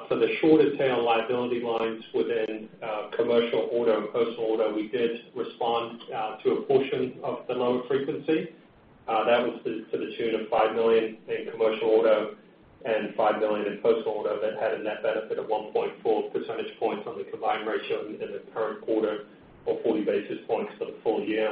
For the shorter tail liability lines within Commercial Auto and Personal Auto, we did respond to a portion of the lower frequency. That was to the tune of $5 million in Commercial Auto $5 million in Personal Auto. That had a net benefit of 1.4 percentage points on the combined ratio in the current quarter, or 40 basis points for the full year.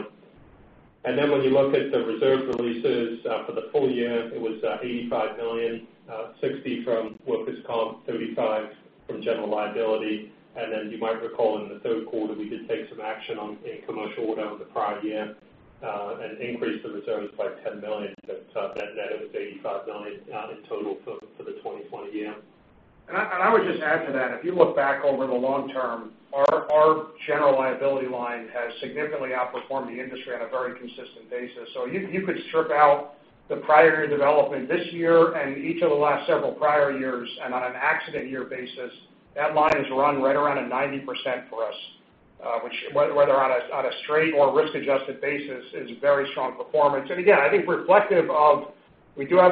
When you look at the reserve releases for the full year, it was $85 million, $60 million from workers' comp, $35 million from General Liability. You might recall in the third quarter, we did take some action in Commercial Auto in the prior year, increased the reserves by $10 million. Net of $85 million in total for the 2020 year. I would just add to that, if you look back over the long term, our General Liability line has significantly outperformed the industry on a very consistent basis. You could strip out the prior year development this year and each of the last several prior years, and on an accident year basis, that line has run right around at 90% for us, which, whether on a straight or risk-adjusted basis, is very strong performance. Again, I think reflective of we do have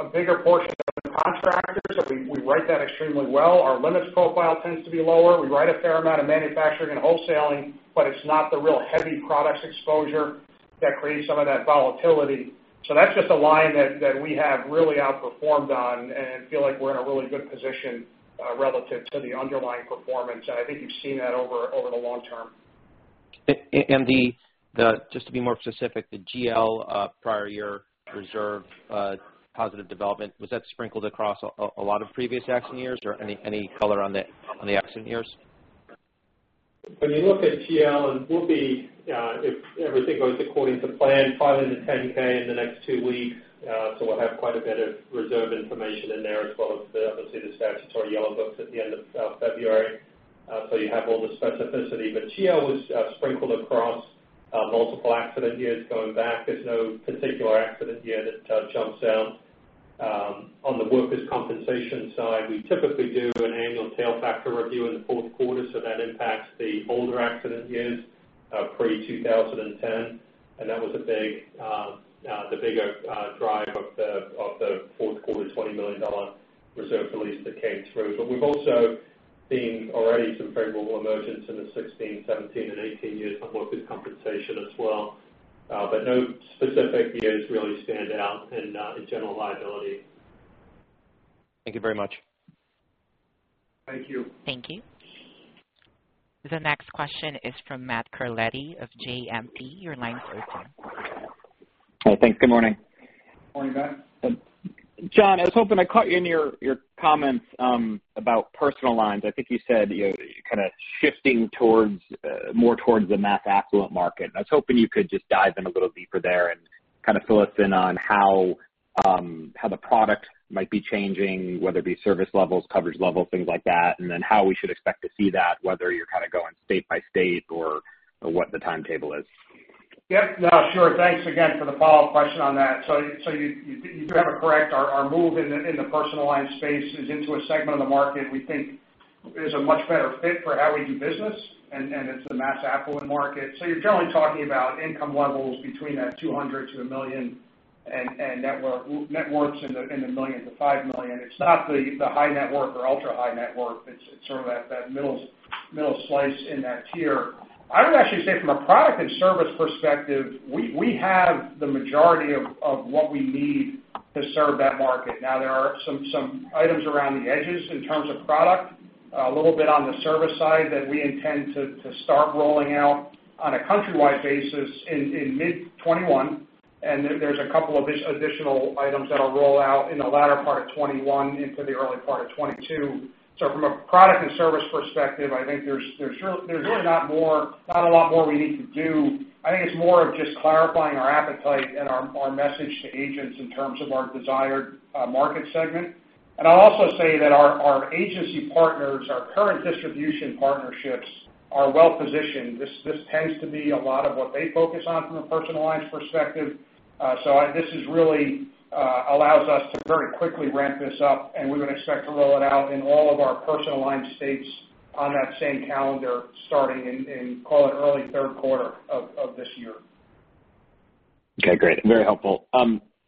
a bigger portion of contractors, so we write that extremely well. Our limits profile tends to be lower. We write a fair amount of manufacturing and wholesaling, but it's not the real heavy products exposure that creates some of that volatility. That's just a line that we have really outperformed on and feel like we're in a really good position relative to the underlying performance. I think you've seen that over the long term. Just to be more specific, the GL prior year reserve positive development, was that sprinkled across a lot of previous accident years? Any color on the accident years? When you look at GL, and we'll be, if everything goes according to plan, filing the 10-K in the next two weeks. We'll have quite a bit of reserve information in there as well as obviously the statutory yellow books at the end of February. So you have all the specificity. GL was sprinkled across multiple accident years going back. There's no particular accident year that jumps out. On the Workers' Compensation side, we typically do an annual tail factor review in the fourth quarter, so that impacts the older accident years, pre-2010, and that was the bigger driver of the fourth quarter $20 million reserve release that came through. But we've also seen already some favorable emergence in the 2016, 2017, and 2018 years on Workers' Compensation as well. But no specific years really stand out in General Liability. Thank you very much. Thank you. Thank you. The next question is from Matt Carletti of JMP. Your line's open. Hey, thanks. Good morning. Morning, Matthew. John, I was hoping I caught you in your comments about Personal Lines. I think you said, kind of shifting more towards the mass affluent market. I was hoping you could just dive in a little deeper there and fill us in on how the product might be changing, whether it be service levels, coverage levels, things like that, and then how we should expect to see that, whether you're going state by state or what the timetable is. Yep. No, sure. Thanks again for the follow-up question on that. You do have it correct. Our move in the Personal Lines space is into a segment of the market we think is a much better fit for how we do business, and it's the mass affluent market. You're generally talking about income levels between that $200-$1 million, and net worths in the millions to $5 million. It's not the high net worth or ultra-high net worth, it's sort of that middle slice in that tier. I would actually say from a product and service perspective, we have the majority of what we need to serve that market. Now, there are some items around the edges in terms of product. A little bit on the service side that we intend to start rolling out on a countrywide basis in mid 2021. There's a couple of additional items that'll roll out in the latter part of 2021 into the early part of 2022. From a product and service perspective, I think there's really not a lot more we need to do. I think it's more of just clarifying our appetite and our message to agents in terms of our desired market segment. I'll also say that our agency partners, our current distribution partnerships, are well-positioned. This tends to be a lot of what they focus on from a Personal Lines perspective. This really allows us to very quickly ramp this up, and we would expect to roll it out in all of our Personal Lines states on that same calendar starting in, call it early third quarter of this year. Okay, great. Very helpful.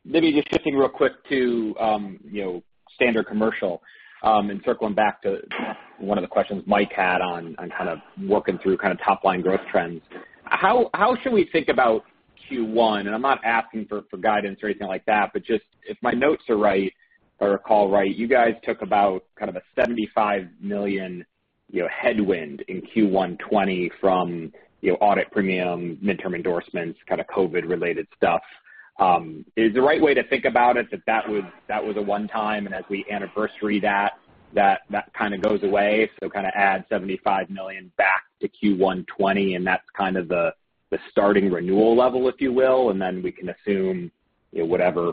Maybe just shifting real quick to Standard Commercial Lines, circling back to one of the questions Mike had on kind of working through top-line growth trends. How should we think about Q1? I'm not asking for guidance or anything like that, but just if my notes are right or recall right, you guys took about a $75 million headwind in Q1 2020 from audit premium, midterm endorsements, kind of COVID-19-related stuff. Is the right way to think about it that that was a one-time, and as we anniversary that kind of goes away, so kind of add $75 million back to Q1 2020, and that's kind of the starting renewal level, if you will, and then we can assume whatever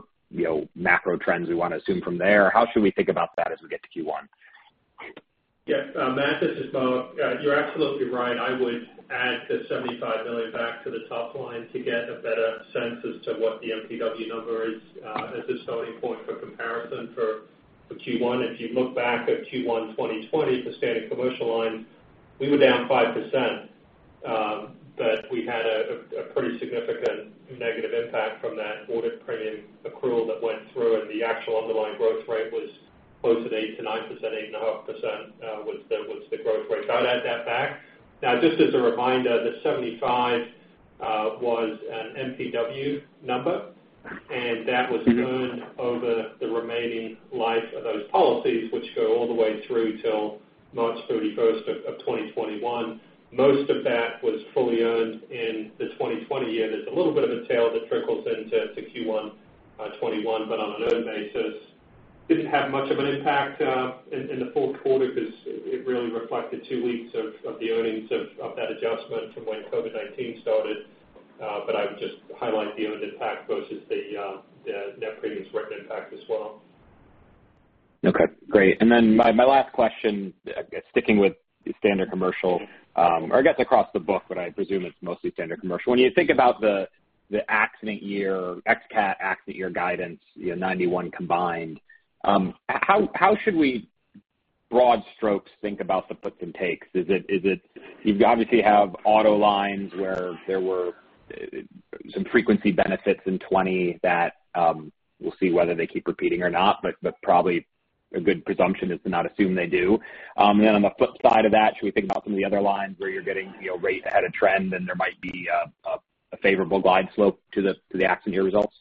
macro trends we want to assume from there? How should we think about that as we get to Q1? Yeah. Matthew, this is Bob. You're absolutely right. I would add the $75 million back to the top line to get a better sense as to what the NPW number is as a starting point for comparison for Q1. If you look back at Q1 2020, the Standard Commercial Lines, we were down 5%, but we had a pretty significant negative impact from that audit premium accrual that went through, and the actual underlying growth rate was closer to 8%-9%, 8.5% was the growth rate. I'd add that back. Now, just as a reminder, the 75 was an NPW number, and that was earned over the remaining life of those policies, which go all the way through till March 31, 2021. Most of that was fully earned in the 2020 year. There's a little bit of a tail that trickles into Q1 2021, but on an earn basis, didn't have much of an impact in the fourth quarter because it really reflected two weeks of the earnings of that adjustment from when COVID-19 started. I would just highlight the earned impact versus the net premium support impact as well. Okay, great. My last question, sticking with Standard Commercial Lines, or I guess across the book, but I presume it's mostly Standard Commercial Lines. When you think about the ex-cat accident year guidance, 91 combined, how should we broad strokes think about the puts and takes? You obviously have auto lines where there were some frequency benefits in 2020 that we'll see whether they keep repeating or not, but probably a good presumption is to not assume they do. On the flip side of that, should we think about some of the other lines where you're getting rate ahead of trend, and there might be a favorable glide slope to the accident year results?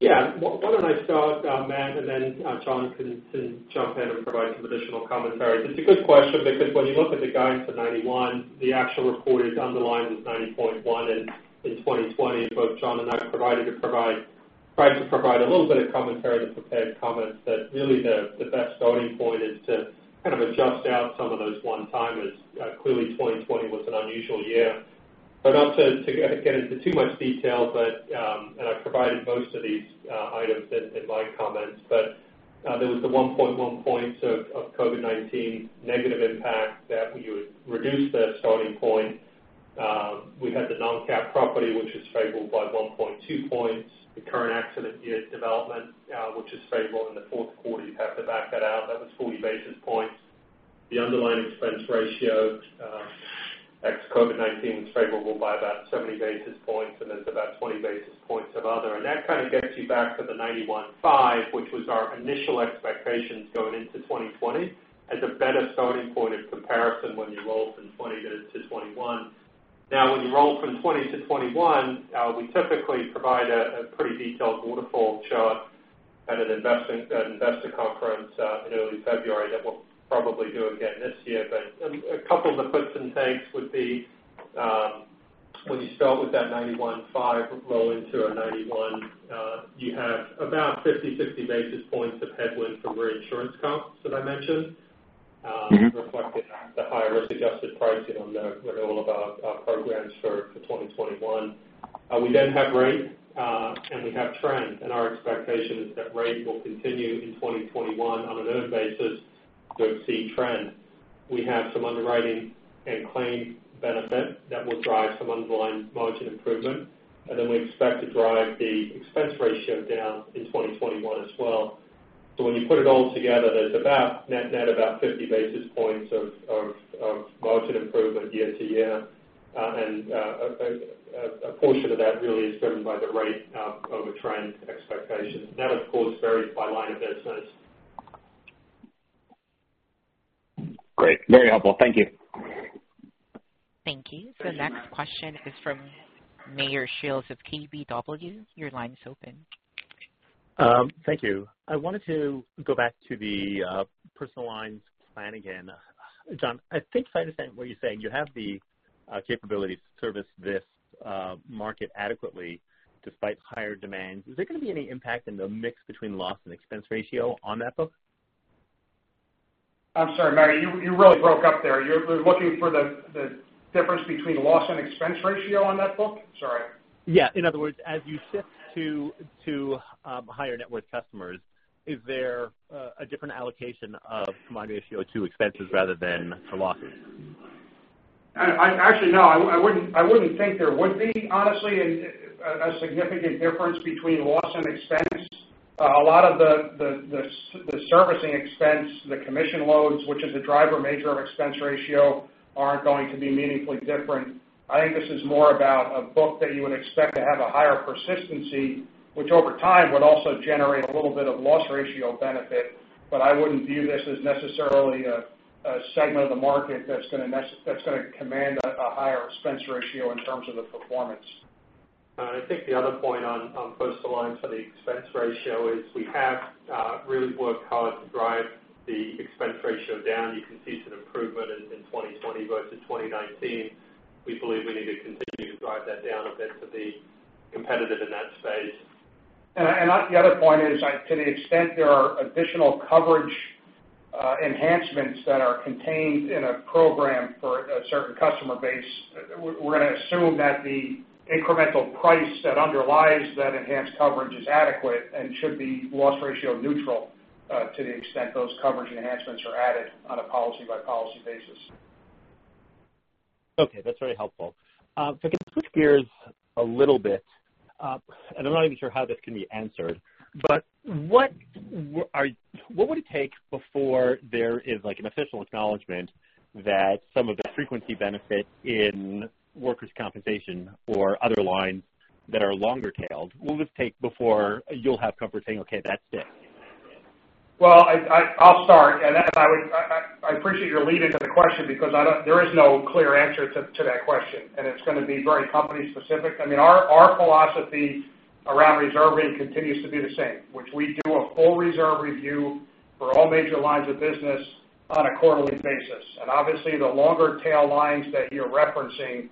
Yeah. Why don't I start, Mayer, and then John can jump in and provide some additional commentary. It's a good question because when you look at the guidance for 91, the actual reported underlying was 90.1, and in 2020, both John and I tried to provide a little bit of commentary in the prepared comments that really the best starting point is to kind of adjust out some of those one-timers. Clearly, 2020 was an unusual year. Not to get into too much detail, and I provided most of these items in my comments, there was the 1.1 points of COVID-19 negative impact that when you would reduce that starting point, we had the non-cat property, which was favorable by 1.2 points. The current accident year development, which is favorable in the fourth quarter, you'd have to back that out. That was 40 basis points. The underlying expense ratio ex-COVID-19 was favorable by about 70 basis points, and there's about 20 basis points of other. That kind of gets you back to the 91.5, which was our initial expectations going into 2020 as a better starting point of comparison when you roll from 2020 to 2021. When you roll from 2020 to 2021, we typically provide a pretty detailed waterfall chart at an investor conference in early February that we'll probably do again this year. A couple of the puts and takes would be when you start with that 91.5 rolling to a 91, you have about 50, 60 basis points of headwind from reinsurance costs that I mentioned- reflected at the higher risk-adjusted pricing on the renewal of our programs for 2021. We then have rate, and we have trend, and our expectation is that rate will continue in 2021 on an earn basis to exceed trend. We have some underwriting and claim benefit that will drive some underlying margin improvement, and then we expect to drive the expense ratio down in 2021 as well. When you put it all together, there's about net about 50 basis points of margin improvement year-to-year, and a portion of that really is driven by the rate over trend expectations. That, of course, varies by line of business. Great. Very helpful. Thank you. Thank you. The next question is from Meyer Shields of KBW. Your line is open. Thank you. I wanted to go back to the Personal Lines plan again. John, I think if I understand what you're saying, you have the capability to service this market adequately despite higher demand. Is there going to be any impact in the mix between loss and expense ratio on that book? I'm sorry, Meyer, you really broke up there. You're looking for the difference between loss and expense ratio on that book? Sorry. Yeah. In other words, as you shift to higher net worth customers, is there a different allocation of combined ratio to expenses rather than to losses? I wouldn't think there would be, honestly, a significant difference between loss and expense. A lot of the servicing expense, the commission loads, which is a driver major of expense ratio, aren't going to be meaningfully different. I think this is more about a book that you would expect to have a higher persistency, which over time would also generate a little bit of loss ratio benefit. I wouldn't view this as necessarily a segment of the market that's going to command a higher expense ratio in terms of the performance. I think the other point on Personal Lines for the expense ratio is we have really worked hard to drive the expense ratio down. You can see some improvement in 2020 versus 2019. We believe we need to continue to drive that down a bit to be competitive in that space. The other point is, to the extent there are additional coverage enhancements that are contained in a program for a certain customer base, we're going to assume that the incremental price that underlies that enhanced coverage is adequate and should be loss ratio neutral to the extent those coverage enhancements are added on a policy-by-policy basis. Okay. That's very helpful. To switch gears a little bit, and I'm not even sure how this can be answered, but what would it take before there is an official acknowledgment that some of the frequency benefit in Workers' Compensation or other lines that are longer tailed, what would it take before you'll have comfort saying, "Okay, that's it. I'll start. I appreciate your lead into the question because there is no clear answer to that question. It's going to be very company specific. Our philosophy around reserving continues to be the same, which we do a full reserve review for all major lines of business on a quarterly basis. Obviously the longer tail lines that you're referencing,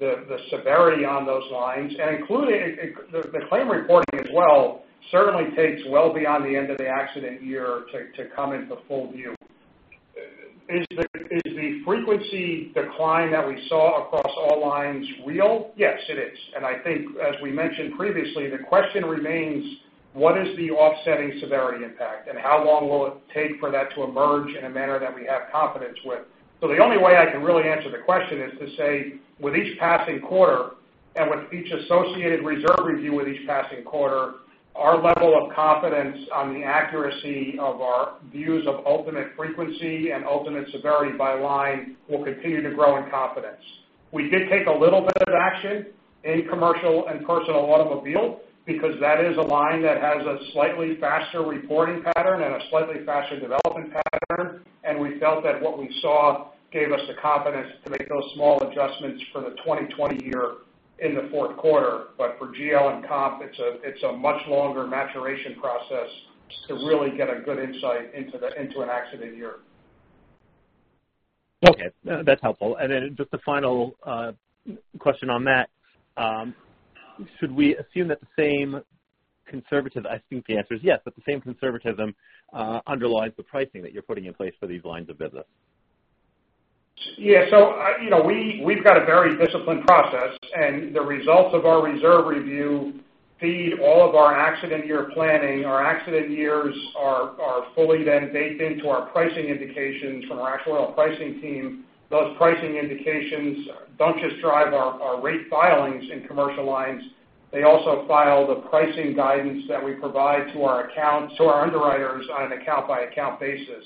the severity on those lines, and including the claim reporting as well, certainly takes well beyond the end of the accident year to come into full view. Is the frequency decline that we saw across all lines real? Yes, it is. I think as we mentioned previously, the question remains, what is the offsetting severity impact and how long will it take for that to emerge in a manner that we have confidence with? The only way I can really answer the question is to say, with each passing quarter. With each associated reserve review with each passing quarter, our level of confidence on the accuracy of our views of ultimate frequency and ultimate severity by line will continue to grow in confidence. We did take a little bit of action in Commercial and Personal automobile because that is a line that has a slightly faster reporting pattern and a slightly faster development pattern. We felt that what we saw gave us the confidence to make those small adjustments for the 2020 year in the fourth quarter. For GL and comp, it's a much longer maturation process to really get a good insight into an accident year. Okay. That's helpful. Just a final question on that. Should we assume that the same conservative, I think the answer is yes. The same conservatism underlies the pricing that you're putting in place for these lines of business? We've got a very disciplined process. The results of our reserve review feed all of our accident year planning. Our accident years are fully then baked into our pricing indications from our actuarial pricing team. Those pricing indications don't just drive our rate filings in Commercial lines. They also file the pricing guidance that we provide to our underwriters on an account-by-account basis.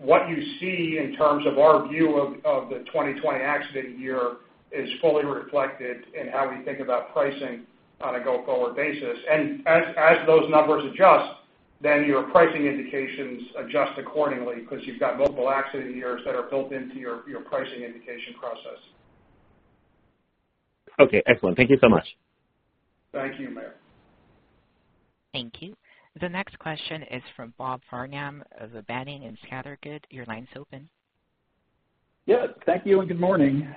What you see in terms of our view of the 2020 accident year is fully reflected in how we think about pricing on a go-forward basis. As those numbers adjust, your pricing indications adjust accordingly because you've got multiple accident years that are built into your pricing indication process. Okay, excellent. Thank you so much. Thank you, Meyer. Thank you. The next question is from Bob Farnham of Janney Montgomery Scott. Good, your line's open. Thank you and good morning.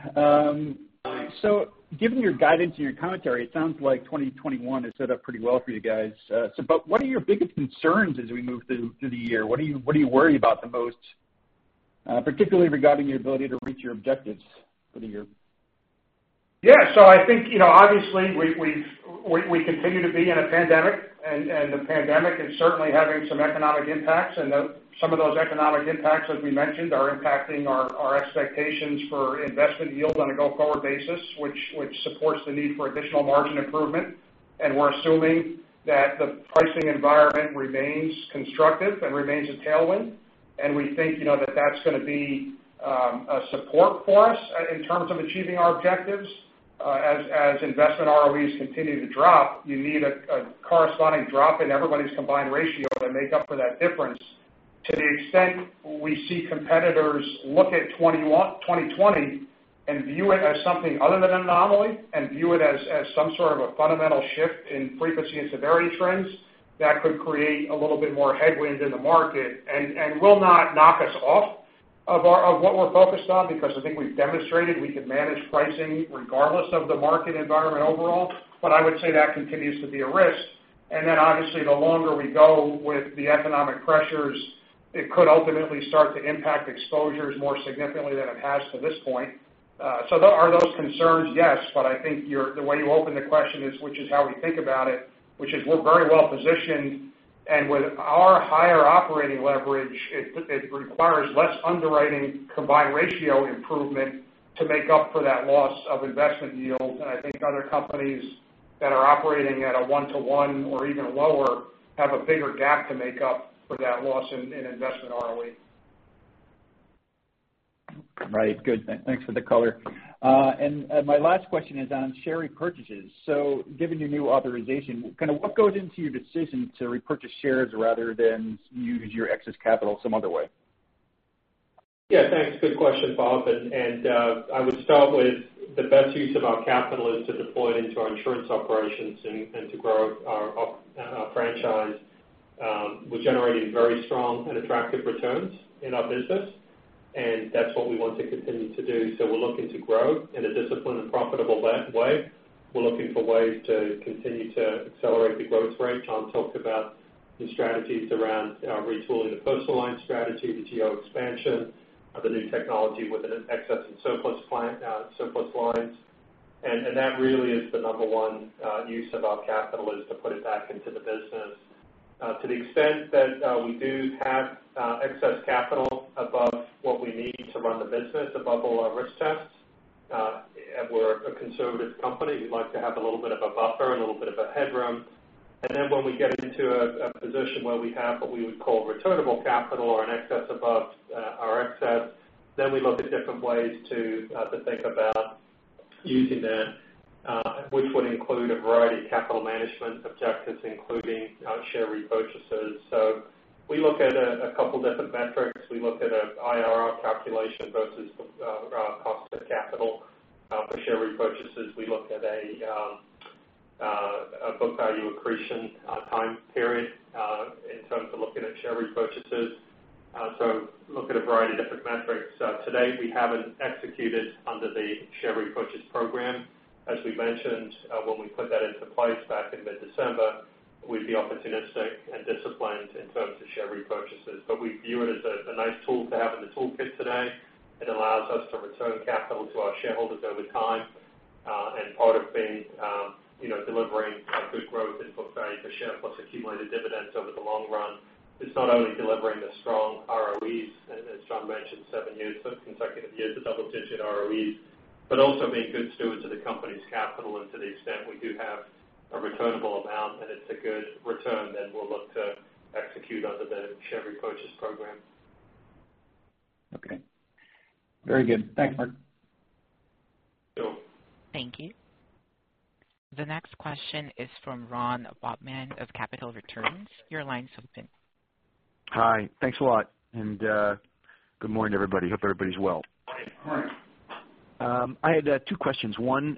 Given your guidance and your commentary, it sounds like 2021 is set up pretty well for you guys. What are your biggest concerns as we move through the year? What do you worry about the most, particularly regarding your ability to reach your objectives for the year? I think, obviously, we continue to be in a pandemic. The pandemic is certainly having some economic impacts. Some of those economic impacts, as we mentioned, are impacting our expectations for investment yield on a go-forward basis, which supports the need for additional margin improvement. We're assuming that the pricing environment remains constructive and remains a tailwind, and we think that that's going to be a support for us in terms of achieving our objectives. As investment ROEs continue to drop, you need a corresponding drop in everybody's combined ratio to make up for that difference. To the extent we see competitors look at 2020 and view it as something other than anomaly, and view it as some sort of a fundamental shift in frequency and severity trends, that could create a little bit more headwind in the market, and will not knock us off of what we're focused on, because I think we've demonstrated we can manage pricing regardless of the market environment overall. I would say that continues to be a risk. Obviously, the longer we go with the economic pressures, it could ultimately start to impact exposures more significantly than it has to this point. Are those concerns? Yes. I think the way you open the question is, which is how we think about it, which is we're very well-positioned, and with our higher operating leverage, it requires less underwriting combined ratio improvement to make up for that loss of investment yield. I think other companies that are operating at a 1-to-1 or even lower have a bigger gap to make up for that loss in investment ROE. Right. Good. Thanks for the color. My last question is on share repurchases. Given your new authorization, what goes into your decision to repurchase shares rather than use your excess capital some other way? Yeah, thanks. Good question, Bob. I would start with the best use of our capital is to deploy it into our insurance operations and to grow. Our franchise. We're generating very strong and attractive returns in our business, that's what we want to continue to do. We're looking to grow in a disciplined and profitable way. We're looking for ways to continue to accelerate the growth rate. John talked about the strategies around retooling the Personal Lines strategy, the geo expansion, the new technology within Excess and Surplus Lines. That really is the number one use of our capital, is to put it back into the business. To the extent that we do have excess capital above what we need to run the business, above all our risk tests. We're a conservative company. We like to have a little bit of a buffer and a little bit of a headroom. When we get into a position where we have what we would call returnable capital or an excess above our excess, we look at different ways to think about using that, which would include a variety of capital management objectives, including share repurchases. We look at a couple different metrics. We look at an IRR calculation versus cost of capital for share repurchases. We looked at a book value accretion time period in terms of looking at share repurchases. Look at a variety of different metrics. To date, we haven't executed under the share repurchase program. As we mentioned, when we put that into place back in mid-December, we'd be opportunistic and disciplined in terms of share repurchases. We view it as a nice tool to have in the toolkit today. It allows us to return capital to our shareholders over time. Part of being delivering good growth in book value per share plus accumulated dividends over the long run is not only delivering the strong ROEs, as John mentioned, seven consecutive years of double-digit ROEs, but also being good stewards of the company's capital. To the extent we do have a returnable amount and it's a good return, we'll look to execute under the share repurchase program. Okay. Very good. Thanks, Mark. Sure. Thank you. The next question is from Ron Bobman of Capital Returns. Your line's open. Hi. Thanks a lot. Good morning, everybody. Hope everybody's well. Morning. Morning. I had two questions. One,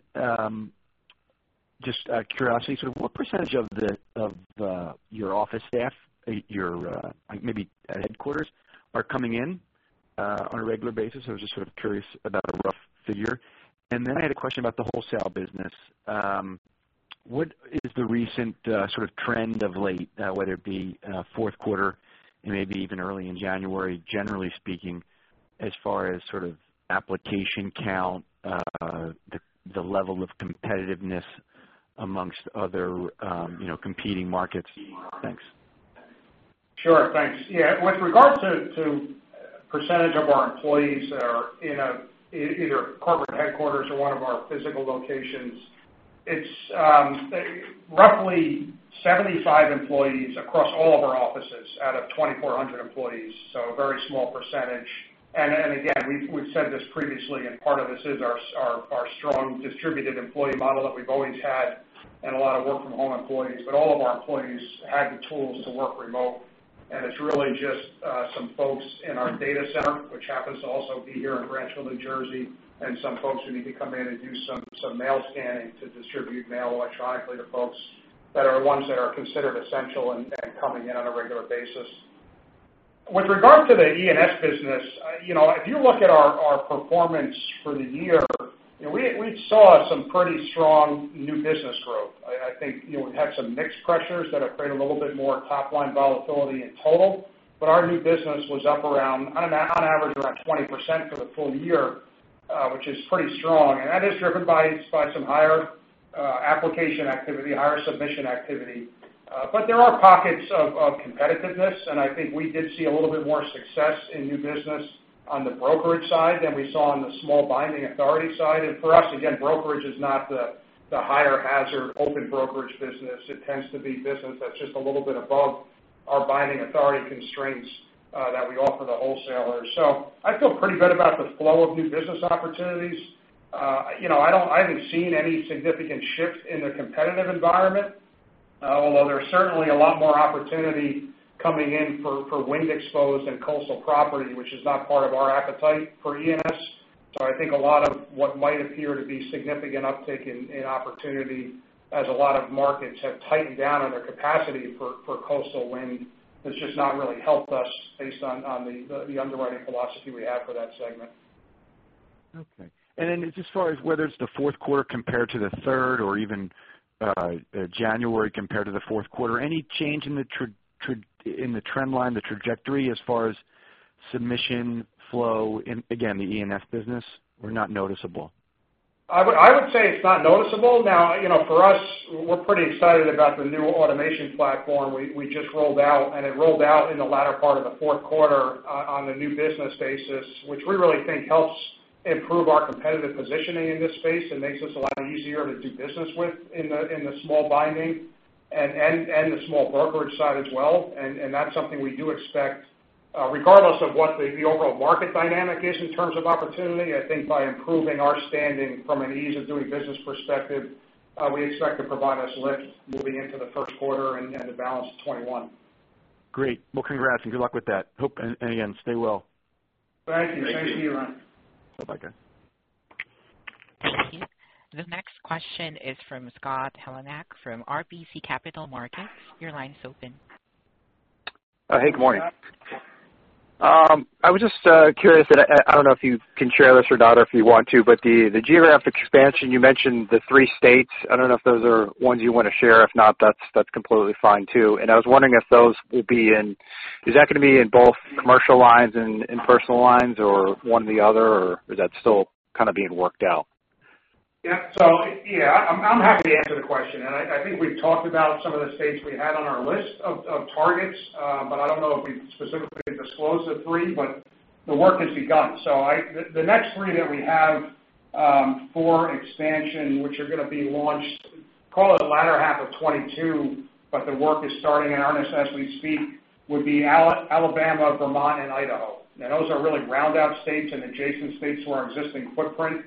just curiosity. What percentage of your office staff, maybe at headquarters, are coming in on a regular basis? I was just sort of curious about a rough figure. I had a question about the wholesale business. What is the recent sort of trend of late, whether it be fourth quarter and maybe even early in January, generally speaking, as far as sort of application count, the level of competitiveness amongst other competing markets. Thanks. Sure. Thanks. Yeah. With regard to percentage of our employees that are in either corporate headquarters or one of our physical locations, it's roughly 75 employees across all of our offices out of 2,400 employees. A very small percentage. Again, we've said this previously, and part of this is our strong distributed employee model that we've always had and a lot of work-from-home employees, but all of our employees had the tools to work remote. It's really just some folks in our data center, which happens to also be here in Branchville, New Jersey, and some folks who need to come in and do some mail scanning to distribute mail electronically to folks that are ones that are considered essential and coming in on a regular basis. With regard to the E&S business, if you look at our performance for the year, we saw some pretty strong new business growth. I think we've had some mixed pressures that have created a little bit more top-line volatility in total, but our new business was up around, on average, around 20% for the full year, which is pretty strong, and that is driven by some higher application activity, higher submission activity. There are pockets of competitiveness, and I think we did see a little bit more success in new business on the brokerage side than we saw on the small binding authority side. For us, again, brokerage is not the higher hazard open brokerage business. It tends to be business that's just a little bit above our binding authority constraints that we offer the wholesalers. I feel pretty good about the flow of new business opportunities. I haven't seen any significant shift in the competitive environment. Although there's certainly a lot more opportunity coming in for wind exposed and coastal property, which is not part of our appetite for E&S. I think a lot of what might appear to be significant uptick in opportunity as a lot of markets have tightened down on their capacity for coastal wind, has just not really helped us based on the underwriting philosophy we have for that segment. Okay. Then as far as whether it's the fourth quarter compared to the third or even January compared to the fourth quarter, any change in the trend line, the trajectory as far as submission flow in, again, the E&S business, or not noticeable? I would say it's not noticeable. Now, for us, we're pretty excited about the new automation platform we just rolled out. It rolled out in the latter part of the fourth quarter on the new business basis, which we really think helps improve our competitive positioning in this space and makes us a lot easier to do business with in the small binding and the small brokerage side as well. That's something we do expect regardless of what the overall market dynamic is in terms of opportunity. I think by improving our standing from an ease of doing business perspective, we expect to provide us lift moving into the first quarter and the balance of 2021. Great. Well, congrats and good luck with that. Again, stay well. Thank you. Thank you. Thanks to you, Ronald. Bye-bye guys. The next question is from Mark Dwelle from RBC Capital Markets. Your line is open. Hey, good morning. I was just curious, and I don't know if you can share this or not, or if you want to, but the geographic expansion, you mentioned the three states. I don't know if those are ones you want to share. If not, that's completely fine, too. I was wondering Is that going to be in both Commercial Lines and Personal Lines, or one or the other, or is that still kind of being worked out? I'm happy to answer the question. I think we've talked about some of the states we had on our list of targets. I don't know if we've specifically disclosed the three, but the work has begun. The next three that we have for expansion, which are going to be launched, call it the latter half of 2022, the work is starting in earnest as we speak, would be Alabama, Vermont, and Idaho. Those are really round-out states and adjacent states to our existing footprint.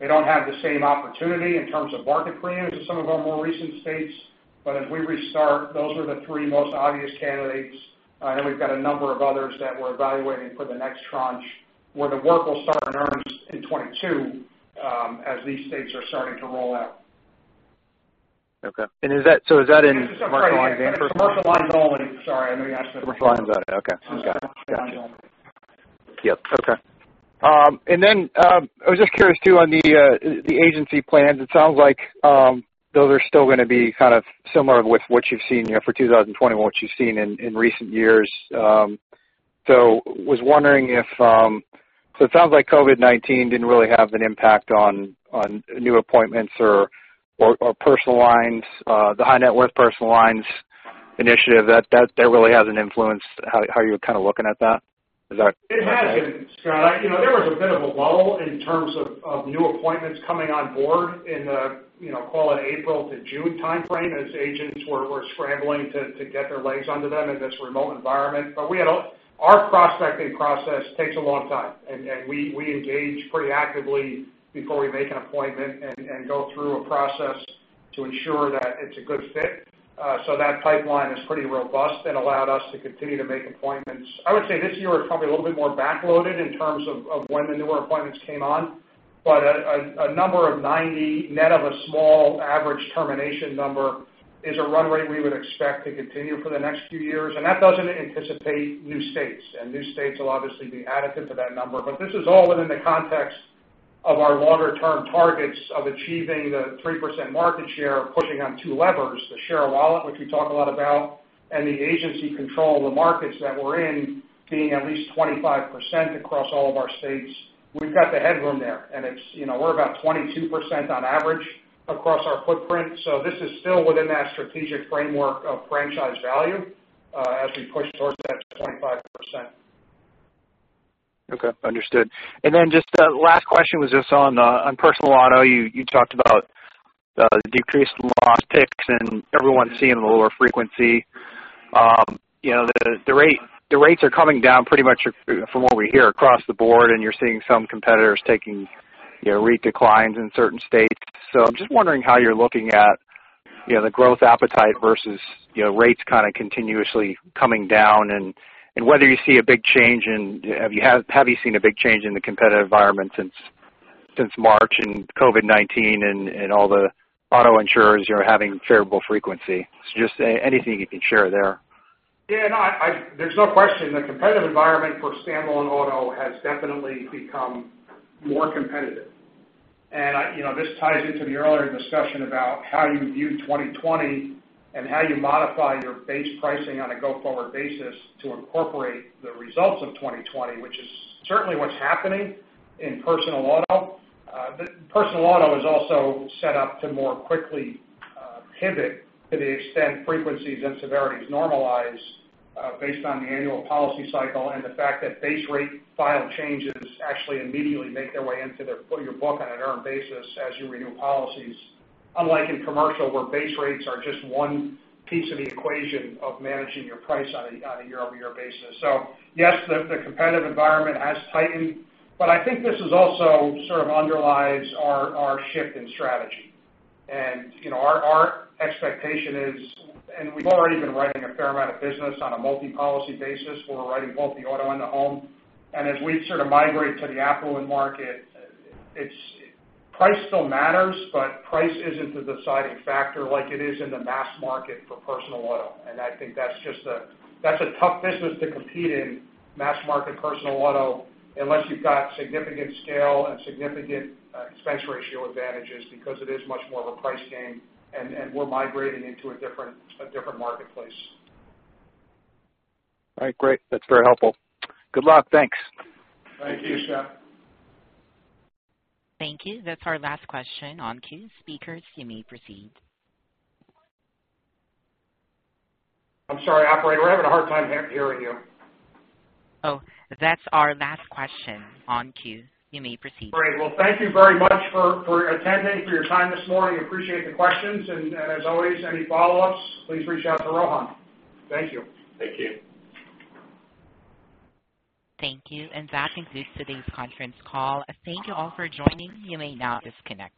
They don't have the same opportunity in terms of market premiums as some of our more recent states. As we restart, those are the three most obvious candidates. We've got a number of others that we're evaluating for the next tranche, where the work will start in earnest in 2022, as these states are starting to roll out. Is that in Commercial Lines and Personal Lines? It's Commercial Lines only. Sorry, I know you asked Commercial Lines. Commercial lines only. Okay, got it. Yes. Yep. Okay. I was just curious, too, on the agency plans. It sounds like those are still going to be kind of similar with what you've seen for 2021, what you've seen in recent years. It sounds like COVID-19 didn't really have an impact on new appointments or Personal Lines, the high net worth Personal Lines initiative. That really hasn't influenced how you're kind of looking at that? Is that- It hasn't, Mark. There was a bit of a lull in terms of new appointments coming on board in the, call it April to June timeframe, as agents were scrambling to get their legs under them in this remote environment. Our prospecting process takes a long time, and we engage pretty actively before we make an appointment, and go through a process to ensure that it's a good fit. That pipeline is pretty robust and allowed us to continue to make appointments. I would say this year is probably a little bit more back-loaded in terms of when the newer appointments came on. A number of 90, net of a small average termination number, is a run rate we would expect to continue for the next few years. That doesn't anticipate new states, and new states will obviously be additive to that number. This is all within the context of our longer-term targets of achieving the 3% market share, pushing on two levers, the share of wallet, which we talk a lot about, and the agency control of the markets that we're in being at least 25% across all of our states. We've got the headroom there, and we're about 22% on average across our footprint. This is still within that strategic framework of franchise value as we push towards that 25%. Okay. Understood. Just last question was just on Personal Auto, you talked about the decreased loss picks and everyone seeing lower frequency. The rates are coming down pretty much, from what we hear, across the board, and you're seeing some competitors taking rate declines in certain states. I'm just wondering how you're looking at the growth appetite versus rates kind of continuously coming down, and Have you seen a big change in the competitive environment since March and COVID-19 and all the auto insurers having terrible frequency? Just anything you can share there. Yeah. There's no question the competitive environment for standalone Auto has definitely become more competitive. This ties into the earlier discussion about how you view 2020 and how you modify your base pricing on a go-forward basis to incorporate the results of 2020, which is certainly what's happening in Personal Auto. Personal Auto is also set up to more quickly pivot to the extent frequencies and severities normalize based on the annual policy cycle, and the fact that base rate file changes actually immediately make their way into your book on an earned basis as you renew policies. Unlike in Commercial, where base rates are just one piece of the equation of managing your price on a year-over-year basis. Yes, the competitive environment has tightened, I think this also sort of underlies our shift in strategy. Our expectation is, and we've already been writing a fair amount of business on a multi-policy basis. We're writing both the Auto and the home. As we sort of migrate to the affluent market, price still matters, price isn't the deciding factor like it is in the mass market for Personal Auto. I think that's a tough business to compete in, mass market Personal Auto, unless you've got significant scale and significant expense ratio advantages, because it is much more of a price game, and we're migrating into a different marketplace. All right, great. That's very helpful. Good luck. Thanks. Thank you, Scott. Thank you. That's our last question on queue. Speakers, you may proceed. I'm sorry, operator, I'm having a hard time hearing you. Oh, that's our last question on queue. You may proceed. Well, thank you very much for attending, for your time this morning. Appreciate the questions. As always, any follow-ups, please reach out to Rohan. Thank you. Thank you. Thank you, that concludes today's conference call. Thank you all for joining. You may now disconnect.